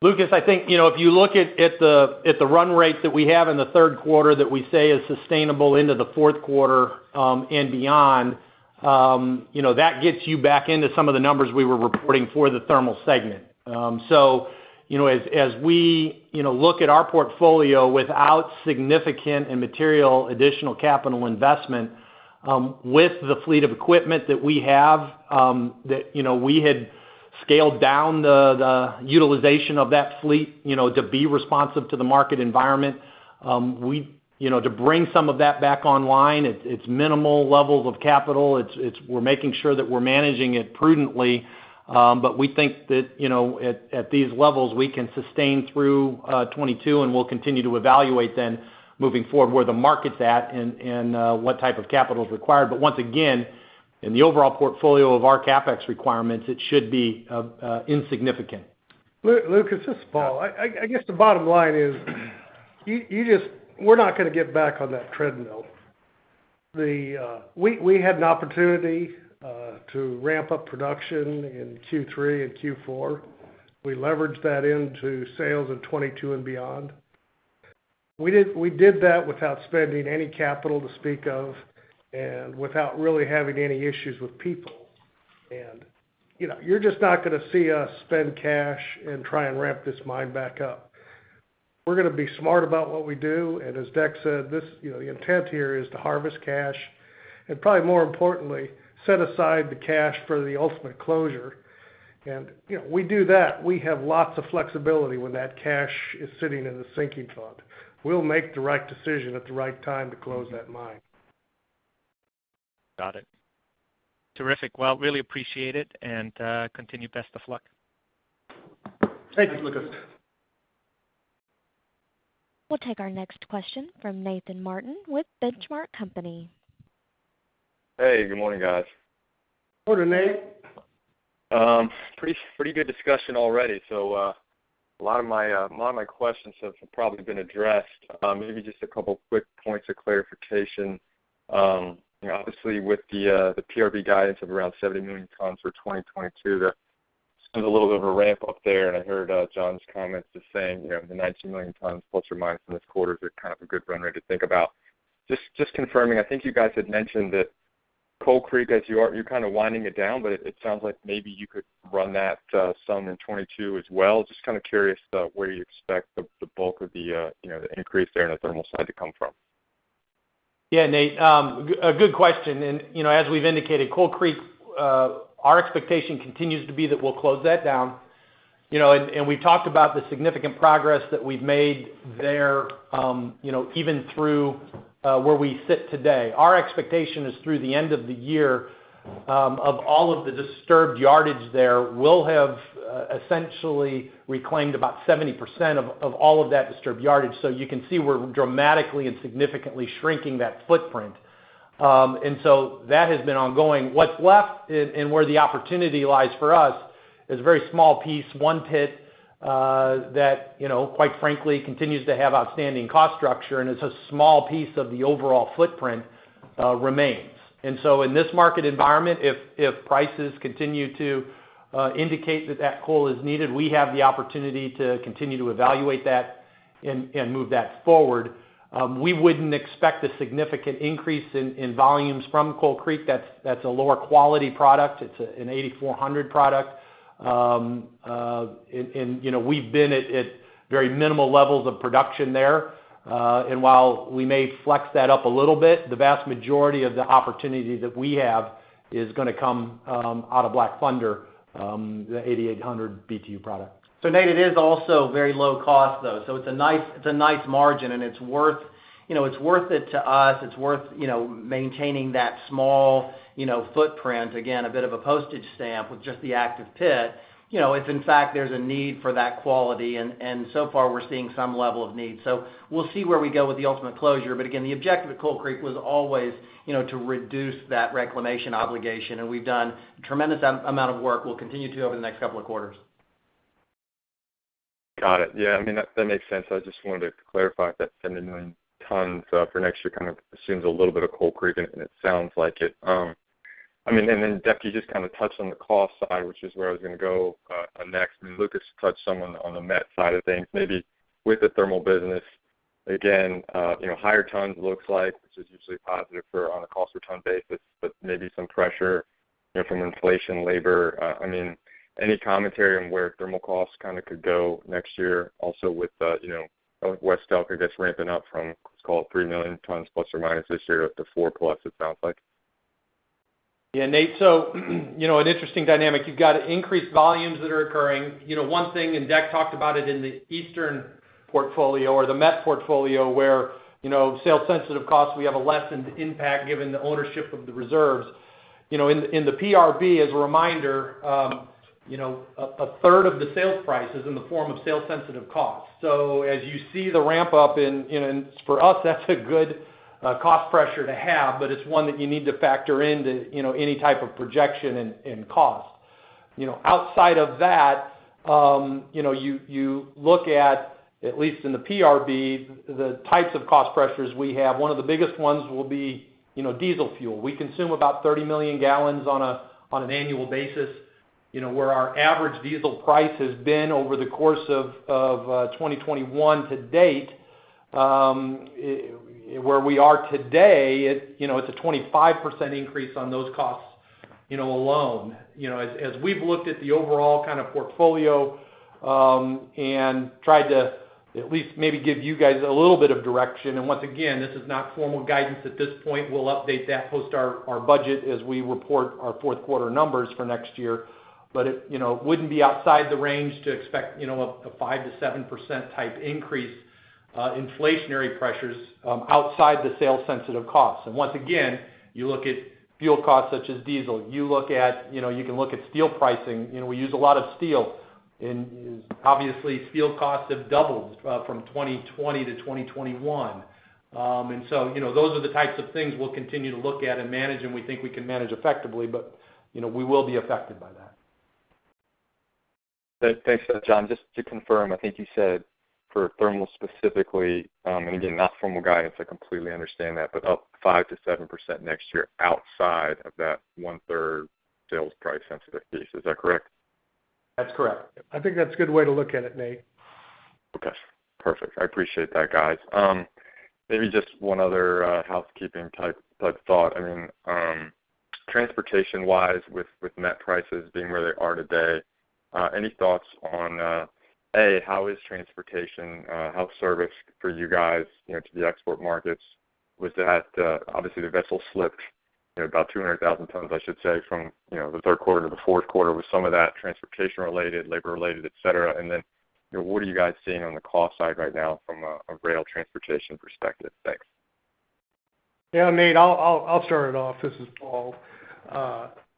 Lucas, I think you know if you look at the run rate that we have in the third quarter that we say is sustainable into the fourth quarter and beyond, you know that gets you back into some of the numbers we were reporting for the thermal segment. You know as we you know look at our portfolio without significant and material additional capital investment with the fleet of equipment that we have that you know we had scaled down the utilization of that fleet you know to be responsive to the market environment. You know to bring some of that back online, it's minimal levels of capital. We're making sure that we're managing it prudently. We think that, you know, at these levels, we can sustain through 2022, and we'll continue to evaluate then moving forward where the market's at and what type of capital is required. Once again, in the overall portfolio of our CapEx requirements, it should be insignificant. Lucas, this is Paul. I guess the bottom line is you just we're not gonna get back on that treadmill. We had an opportunity to ramp up production in Q3 and Q4. We leveraged that into sales in 2022 and beyond. We did that without spending any capital to speak of and without really having any issues with people. You know, you're just not gonna see us spend cash and try and ramp this mine back up. We're gonna be smart about what we do. As Deck said, you know, the intent here is to harvest cash. Probably more importantly, set aside the cash for the ultimate closure. You know, we do that. We have lots of flexibility when that cash is sitting in the sinking fund. We'll make the right decision at the right time to close that mine. Got it. Terrific. Well, really appreciate it, and continue. Best of luck. Thanks. Thanks, Lucas. We'll take our next question from Nathan Martin with Benchmark Company. Hey, good morning, guys. Morning, Nate. Pretty good discussion already. A lot of my questions have probably been addressed. Maybe just a couple of quick points of clarification. You know, obviously with the PRB guidance of around 70 million tons for 2022, there seems a little bit of a ramp up there. I heard John's comments just saying, you know, the 19 million tons± in this quarter is a kind of a good run rate to think about. Just confirming, I think you guys had mentioned that Coal Creek, as you're kind of winding it down, but it sounds like maybe you could run that some in 2022 as well. Just kind of curious about where you expect the bulk of the, you know, the increase there on the thermal side to come from? Yeah, Nate. A good question. You know, as we've indicated, Coal Creek, our expectation continues to be that we'll close that down. You know, and we talked about the significant progress that we've made there, you know, even through where we sit today. Our expectation is through the end of the year, of all of the disturbed yardage there, we'll have essentially reclaimed about 70% of all of that disturbed yardage. You can see we're dramatically and significantly shrinking that footprint. That has been ongoing. What's left and where the opportunity lies for us is a very small piece, one pit, that you know, quite frankly, continues to have outstanding cost structure, and it's a small piece of the overall footprint, remains. In this market environment, if prices continue to indicate that coal is needed, we have the opportunity to continue to evaluate that and move that forward. We wouldn't expect a significant increase in volumes from Coal Creek. That's a lower quality product. It's an 8,400 product. You know, we've been at very minimal levels of production there. While we may flex that up a little bit, the vast majority of the opportunity that we have is gonna come out of Black Thunder, the 8,800 BTU product. Nate, it is also very low cost, though. It's a nice margin, and it's worth it to us. It's worth maintaining that small footprint. Again, a bit of a postage stamp with just the active pit, you know, if in fact there's a need for that quality, and so far we're seeing some level of need. We'll see where we go with the ultimate closure, but again, the objective at Coal Creek was always, you know, to reduce that reclamation obligation, and we've done a tremendous amount of work. We'll continue to over the next couple of quarters. Got it. Yeah. I mean, that makes sense. I just wanted to clarify that 70 million tons for next year kind of assumes a little bit of Coal Creek, and it sounds like it. I mean, and then Deck, you just kind of touched on the cost side, which is where I was gonna go next. I mean, Lucas touched some on the met side of things. Maybe with the thermal business, again, you know, higher tons looks like, which is usually positive for on a cost per ton basis, but maybe some pressure, you know, from inflation, labor. I mean, any commentary on where thermal costs kind of could go next year also with, you know, West Elk just ramping up from, let's call it 3 million tons± this year up to 4 million tons+, it sounds like? Nate. You know, an interesting dynamic. You've got increased volumes that are occurring. You know, one thing, Deck talked about it in the Eastern portfolio or the met portfolio where, you know, sales sensitive costs, we have a lessened impact given the ownership of the reserves. You know, in the PRB, as a reminder, you know, a third of the sales price is in the form of sales sensitive costs. As you see the ramp up in for us, that's a good cost pressure to have, but it's one that you need to factor into, you know, any type of projection and cost. You know, outside of that, you know, you look at least in the PRB, the types of cost pressures we have. One of the biggest ones will be, you know, diesel fuel. We consume about 30 million gal on an annual basis. You know, where our average diesel price has been over the course of 2021 to date, where we are today, it you know, it's a 25% increase on those costs, you know, alone. You know, as we've looked at the overall kind of portfolio and tried to at least maybe give you guys a little bit of direction, and once again, this is not formal guidance at this point. We'll update that post our budget as we report our fourth quarter numbers for next year. It you know, wouldn't be outside the range to expect you know, a 5%-7% type increase, inflationary pressures, outside the sales sensitive costs. Once again, you look at fuel costs such as diesel. You look at, you know, you can look at steel pricing. You know, we use a lot of steel. Obviously steel costs have doubled from 2020 to 2021. You know, those are the types of things we'll continue to look at and manage, and we think we can manage effectively, but you know, we will be affected by that. Thanks. John, just to confirm, I think you said for thermal specifically, and again, not formal guidance, I completely understand that, but up 5%-7% next year outside of that 1/3 sales price sensitive piece. Is that correct? That's correct. I think that's a good way to look at it, Nate. Okay, perfect. I appreciate that, guys. Maybe just one other housekeeping type thought. I mean, transportation-wise with net prices being where they are today, any thoughts on how is transportation helpful for you guys, you know, to the export markets? That was obviously the vessel slipped, you know, about 200,000 tons, I should say, from the third quarter to the fourth quarter with some of that transportation related, labor related, et cetera. Then, you know, what are you guys seeing on the cost side right now from a rail transportation perspective? Thanks. Yeah, Nate, I'll start it off. This is Paul.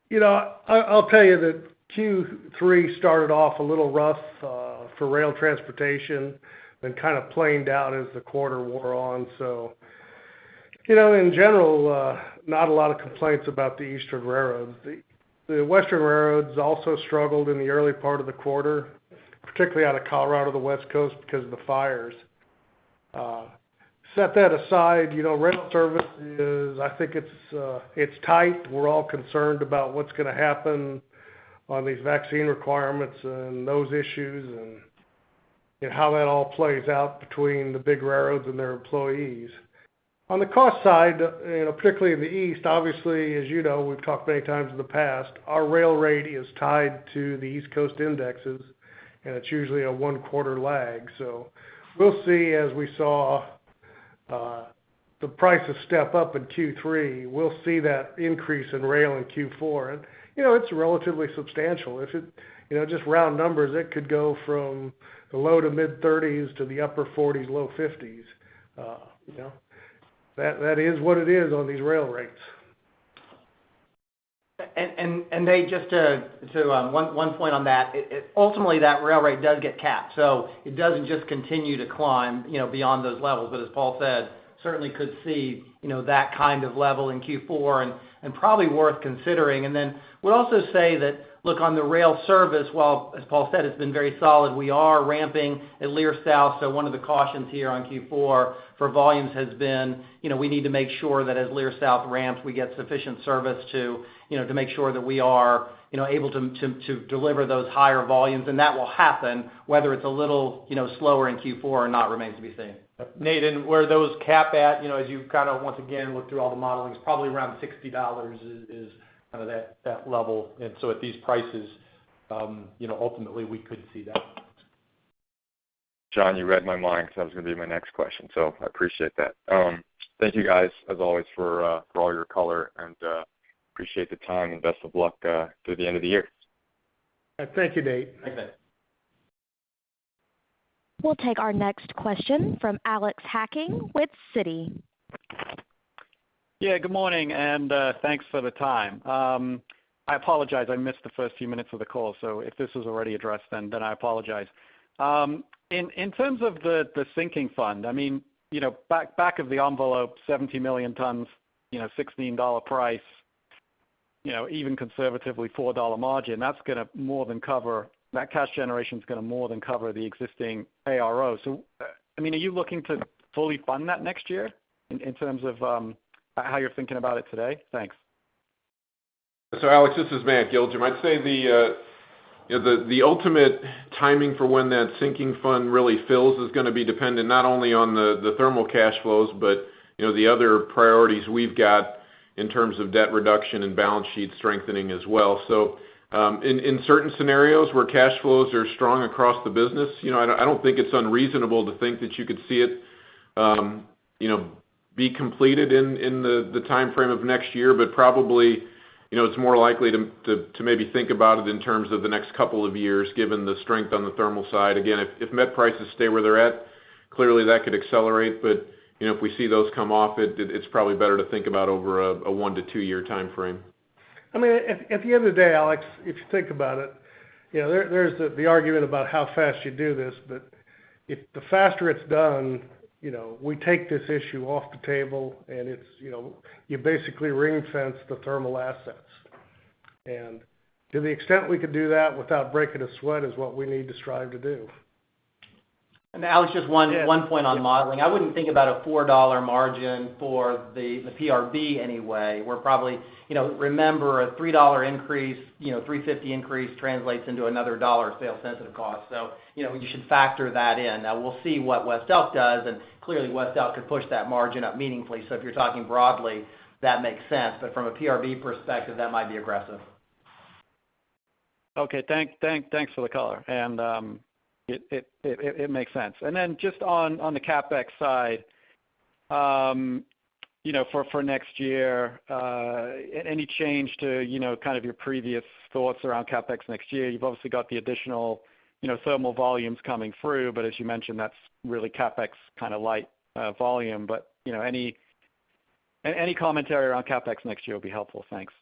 You know, I'll tell you that Q3 started off a little rough for rail transportation, then kind of planed out as the quarter wore on. You know, in general, not a lot of complaints about the eastern railroads. The western railroads also struggled in the early part of the quarter, particularly out of Colorado, the West Coast, because of the fires. Set that aside, you know, rail service is, I think, tight. We're all concerned about what's gonna happen on these vaccine requirements and those issues and, you know, how that all plays out between the big railroads and their employees. On the cost side, you know, particularly in the East, obviously, as you know, we've talked many times in the past, our rail rate is tied to the East Coast indexes, and it's usually a one-quarter lag. We'll see, as we saw, the prices step up in Q3, we'll see that increase in rail in Q4. You know, it's relatively substantial. If it, you know, just round numbers, it could go from the low to mid $30s to the upper $40s, low $50s. You know, that is what it is on these rail rates. Nate, just to one point on that. Ultimately, that rail rate does get capped, so it doesn't just continue to climb, you know, beyond those levels. As Paul said, certainly could see, you know, that kind of level in Q4 and probably worth considering. Then would also say that, look, on the rail service, while, as Paul said, it's been very solid, we are ramping at Leer South. One of the cautions here on Q4 for volumes has been, you know, we need to make sure that as Leer South ramps, we get sufficient service to, you know, to make sure that we are, you know, able to deliver those higher volumes. That will happen whether it's a little, you know, slower in Q4 or not remains to be seen. Nate, where those cap at, you know, as you kind of once again look through all the modelings, probably around $60 is kind of that level. At these prices, you know, ultimately we could see that. John, you read my mind 'cause that was gonna be my next question, so I appreciate that. Thank you guys as always for all your color, and appreciate the time, and best of luck through the end of the year. Thank you, Nate. Thanks, Nate. We'll take our next question from Alex Hacking with Citi. Yeah, good morning, and thanks for the time. I apologize. I missed the first few minutes of the call. If this was already addressed, then I apologize. In terms of the sinking fund, I mean, you know, back of the envelope, 70 million tons, you know, $16 price, you know, even conservatively $4 margin, that's gonna more than cover that cash generation's gonna more than cover the existing ARO. I mean, are you looking to fully fund that next year in terms of how you're thinking about it today? Thanks. Alex, this is Matt Giljum. I'd say you know, the ultimate timing for when that sinking fund really fills is gonna be dependent not only on the thermal cash flows, but you know, the other priorities we've got in terms of debt reduction and balance sheet strengthening as well. In certain scenarios where cash flows are strong across the business, you know, I don't think it's unreasonable to think that you could see it you know, be completed in the timeframe of next year. But probably, you know, it's more likely to maybe think about it in terms of the next couple of years, given the strength on the thermal side. Again, if net prices stay where they're at, clearly that could accelerate. You know, if we see those come off, it's probably better to think about over a one-two-year timeframe. I mean, at the end of the day, Alex, if you think about it, you know, there's the argument about how fast you do this, but if the faster it's done, you know, we take this issue off the table and it's, you know, you basically ring-fence the thermal assets. To the extent we could do that without breaking a sweat is what we need to strive to do. Alex, just one- Yeah. One point on modeling. I wouldn't think about a $4 margin for the PRB anyway. We're probably, you know, remember a $3 increase, you know, $3.50 increase translates into another $1 sales-sensitive cost. You know, you should factor that in. Now we'll see what West Elk does, and clearly, West Elk could push that margin up meaningfully. If you're talking broadly, that makes sense. From a PRB perspective, that might be aggressive. Okay. Thanks for the color, and it makes sense. Just on the CapEx side, you know, for next year, any change to, you know, kind of your previous thoughts around CapEx next year? You've obviously got the additional, you know, thermal volumes coming through, but as you mentioned, that's really CapEx kind of light volume. You know, any commentary around CapEx next year would be helpful. Thanks.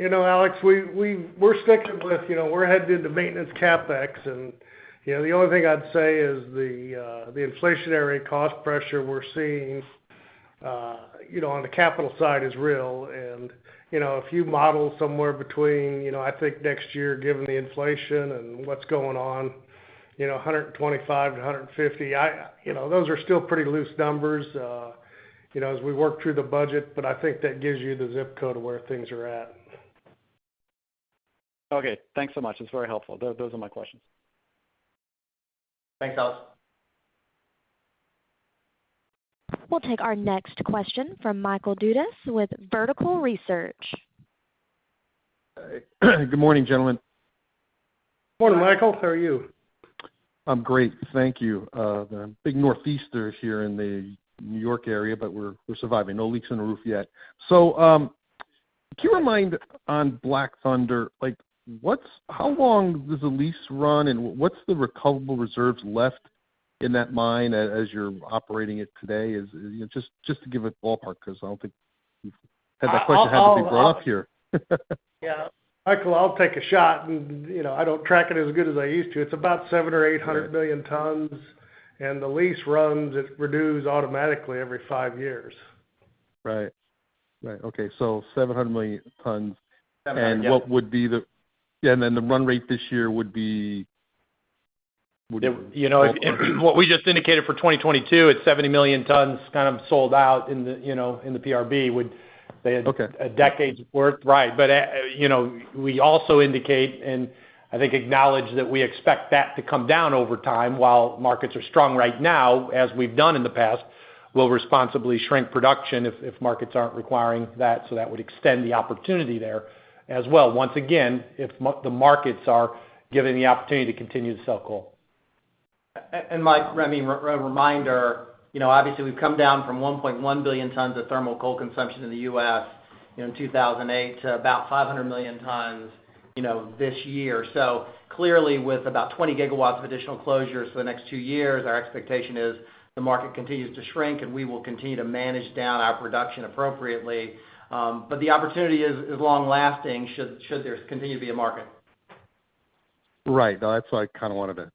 You know, Alex, we're sticking with, you know, we're headed into maintenance capex. You know, the only thing I'd say is the inflationary cost pressure we're seeing, you know, on the capital side is real. You know, if you model somewhere between, you know, I think next year, given the inflation and what's going on, you know, $125-$150. You know, those are still pretty loose numbers, you know, as we work through the budget, but I think that gives you the zip code of where things are at. Okay, thanks so much. It's very helpful. Those are my questions. Thanks, Alex. We'll take our next question from Michael Dudas with Vertical Research. Good morning, gentlemen. Morning, Michael. How are you? I'm great. Thank you. The big nor'easter here in the New York area, but we're surviving. No leaks in the roof yet. Can you remind, on Black Thunder, like, how long does the lease run, and what's the recoverable reserves left in that mine as you're operating it today? Just to give a ballpark, because I don't think you've had that question had to be brought up here. Yeah. Michael, I'll take a shot. You know, I don't track it as good as I used to. It's about 700 million tons-800 million tons, and the lease runs. It renews automatically every five years. Right. Right. Okay. 700 million tons. 700 million tons, yeah. What would be the run rate this year? Would it be? You know, what we just indicated for 2022, it's 70 million tons kind of sold out in the, you know, in the PRB. Okay. A decade's worth. Right. You know, we also indicate and I think acknowledge that we expect that to come down over time. While markets are strong right now, as we've done in the past, we'll responsibly shrink production if markets aren't requiring that, so that would extend the opportunity there as well. Once again, if the markets are given the opportunity to continue to sell coal. And Mike, I mean, reminder, you know, obviously, we've come down from 1.1 billion tons of thermal coal consumption in the U.S., you know, in 2008 to about 500 million tons, you know, this year. So clearly, with about 20 GW of additional closures for the next two years, our expectation is the market continues to shrink, and we will continue to manage down our production appropriately. The opportunity is long-lasting, should there continue to be a market. Right. No, that's what I kind of wanted to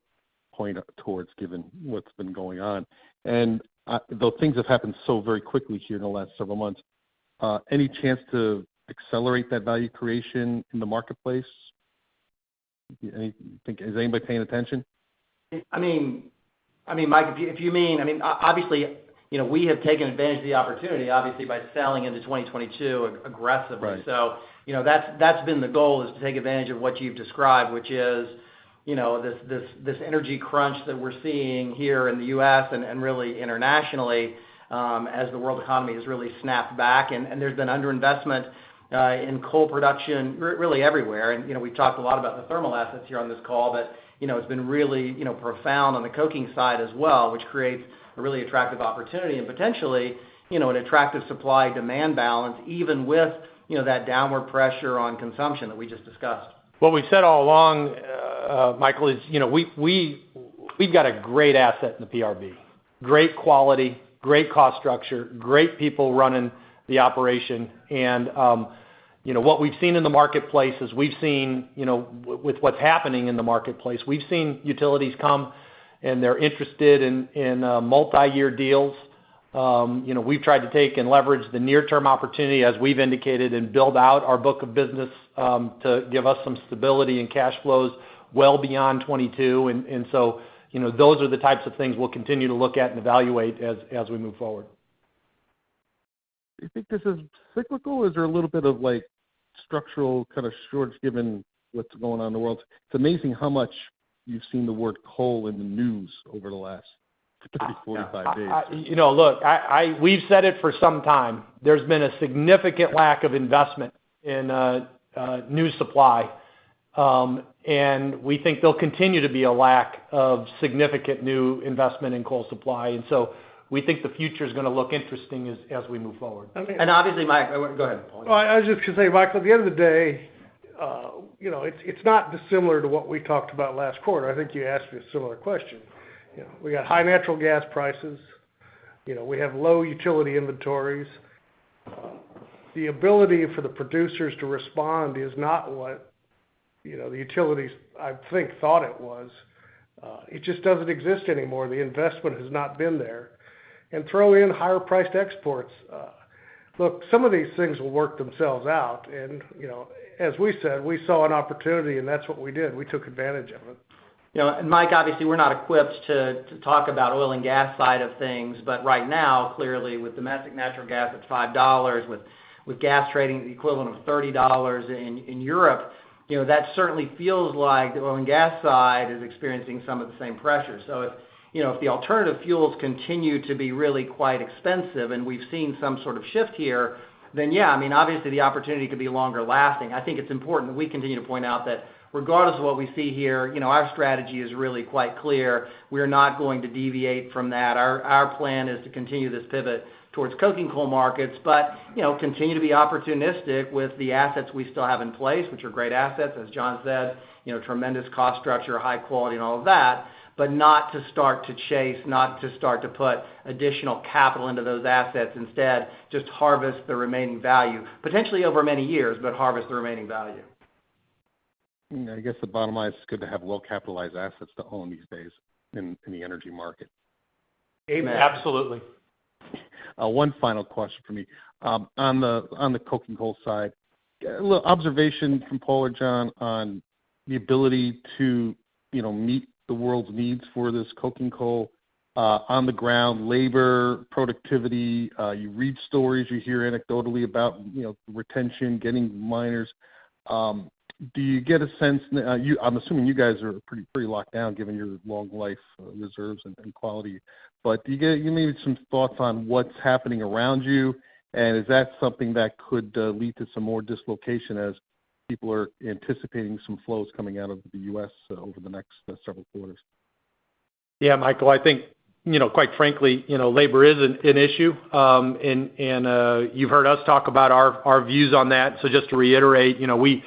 point towards given what's been going on. Though things have happened so very quickly here in the last several months, any chance to accelerate that value creation in the marketplace? Is anybody paying attention? I mean, Mike, if you mean, I mean, obviously, you know, we have taken advantage of the opportunity obviously by selling into 2022 aggressively. Right. You know, that's been the goal, is to take advantage of what you've described, which is, you know, this energy crunch that we're seeing here in the U.S. and really internationally, as the world economy has really snapped back. there's been underinvestment in coal production really everywhere. you know, we've talked a lot about the thermal assets here on this call, but, you know, it's been really, you know, profound on the coking side as well, which creates a really attractive opportunity and potentially, you know, an attractive supply-demand balance, even with, you know, that downward pressure on consumption that we just discussed. What we've said all along, Michael, is, you know, we've got a great asset in the PRB. Great quality, great cost structure, great people running the operation. What we've seen in the marketplace is we've seen, you know, with what's happening in the marketplace, we've seen utilities come and they're interested in multi-year deals. We've tried to take and leverage the near-term opportunity as we've indicated and build out our book of business, to give us some stability and cash flows well beyond 2022. So, you know, those are the types of things we'll continue to look at and evaluate as we move forward. Do you think this is cyclical, or is there a little bit of like structural kind of shorts given what's going on in the world? It's amazing how much you've seen the word coal in the news over the last 30-45 days. You know, look, we've said it for some time. There's been a significant lack of investment in new supply. We think there'll continue to be a lack of significant new investment in coal supply. We think the future is gonna look interesting as we move forward. Okay. Obviously, Mike. Go ahead, Paul. Well, I was just gonna say, Mike, at the end of the day, you know, it's not dissimilar to what we talked about last quarter. I think you asked me a similar question. You know, we got high natural gas prices. You know, we have low utility inventories. The ability for the producers to respond is not what, you know, the utilities I think thought it was. It just doesn't exist anymore. The investment has not been there. Throw in higher-priced exports. Look, some of these things will work themselves out and, you know, as we said, we saw an opportunity, and that's what we did. We took advantage of it. You know, Mike, obviously, we're not equipped to talk about oil and gas side of things, but right now, clearly, with domestic natural gas at $5, with gas trading at the equivalent of $30 in Europe, you know, that certainly feels like the oil and gas side is experiencing some of the same pressures. If, you know, if the alternative fuels continue to be really quite expensive and we've seen some sort of shift here, then yeah, I mean, obviously the opportunity could be longer lasting. I think it's important we continue to point out that regardless of what we see here, you know, our strategy is really quite clear. We're not going to deviate from that. Our plan is to continue this pivot towards coking coal markets, but you know, continue to be opportunistic with the assets we still have in place, which are great assets, as John said, you know, tremendous cost structure, high quality and all of that, but not to start to put additional capital into those assets. Instead, just harvest the remaining value, potentially over many years, but harvest the remaining value. Yeah, I guess the bottom line is it's good to have well-capitalized assets to own these days in the energy market. Absolutely. Absolutely. One final question for me. On the coking coal side, a little observation from Paul or John on the ability to, you know, meet the world's needs for this coking coal, on the ground, labor, productivity. You read stories, you hear anecdotally about, you know, retention, getting miners. Do you get a sense now, I'm assuming you guys are pretty locked down given your long life reserves and quality. But do you get maybe some thoughts on what's happening around you, and is that something that could lead to some more dislocation as people are anticipating some flows coming out of the U.S. over the next several quarters? Yeah, Michael, I think, you know, quite frankly, you know, labor is an issue, and you've heard us talk about our views on that. Just to reiterate, you know, we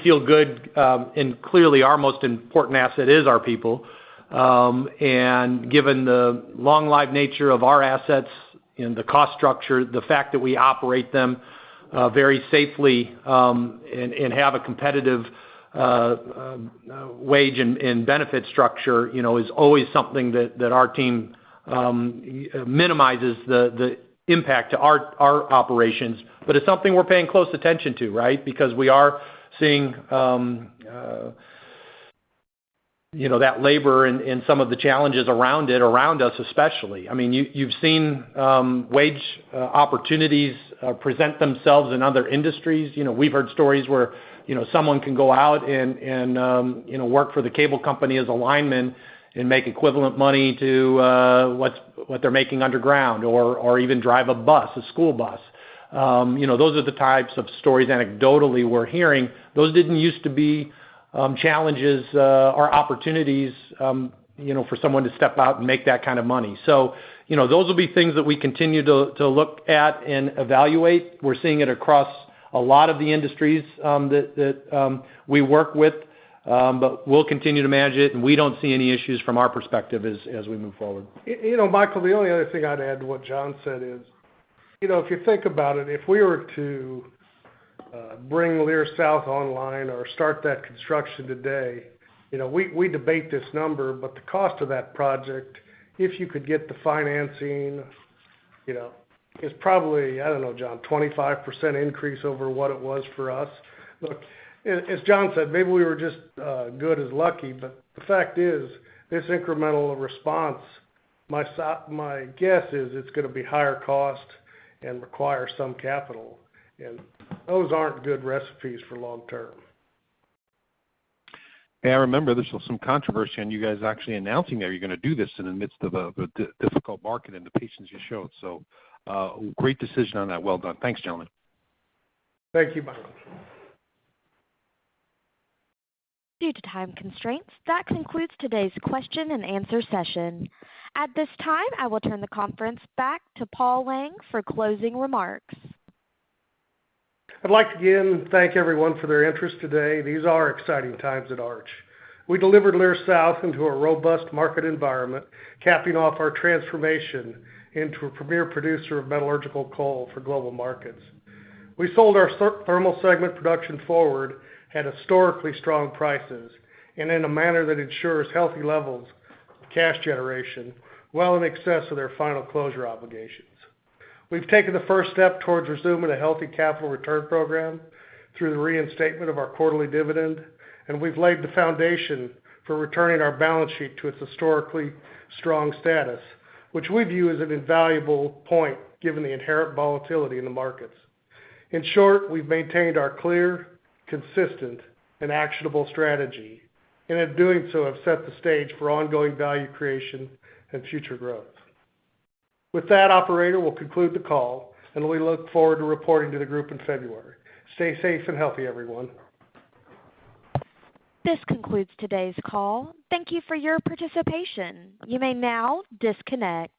feel good, and clearly our most important asset is our people. Given the long life nature of our assets and the cost structure, the fact that we operate them very safely, and have a competitive wage and benefit structure, you know, is always something that our team minimizes the impact to our operations. It's something we're paying close attention to, right? Because we are seeing, you know, that labor and some of the challenges around it, around us, especially. I mean, you've seen wage opportunities present themselves in other industries. You know, we've heard stories where, you know, someone can go out and you know work for the cable company as a lineman and make equivalent money to what they're making underground or even drive a bus, a school bus. You know, those are the types of stories anecdotally we're hearing. Those didn't use to be challenges or opportunities you know for someone to step out and make that kind of money. You know, those will be things that we continue to look at and evaluate. We're seeing it across a lot of the industries that we work with, but we'll continue to manage it, and we don't see any issues from our perspective as we move forward. You know, Michael, the only other thing I'd add to what John said is, you know, if you think about it, if we were to bring Leer South online or start that construction today, you know, we debate this number, but the cost of that project, if you could get the financing, you know, is probably, I don't know, John, 25% increase over what it was for us. Look, as John said, maybe we were just good and lucky, but the fact is, this incremental expense, my guess is it's gonna be higher cost and require some capital, and those aren't good recipes for the long term. Yeah, I remember there was some controversy on you guys actually announcing that you're gonna do this in the midst of a difficult market and the patience you showed. Great decision on that. Well done. Thanks, gentlemen. Thank you, Michael. Due to time constraints, that concludes today's question-and-answer session. At this time, I will turn the conference back to Paul Lang for closing remarks. I'd like to again thank everyone for their interest today. These are exciting times at Arch. We delivered Leer South into a robust market environment, capping off our transformation into a premier producer of metallurgical coal for global markets. We sold our thermal segment production forward at historically strong prices and in a manner that ensures healthy levels of cash generation well in excess of their final closure obligations. We've taken the first step towards resuming a healthy capital return program through the reinstatement of our quarterly dividend, and we've laid the foundation for returning our balance sheet to its historically strong status, which we view as an invaluable point given the inherent volatility in the markets. In short, we've maintained our clear, consistent and actionable strategy, and in doing so, have set the stage for ongoing value creation and future growth. With that, operator, we'll conclude the call, and we look forward to reporting to the group in February. Stay safe and healthy, everyone. This concludes today's call. Thank you for your participation. You may now disconnect.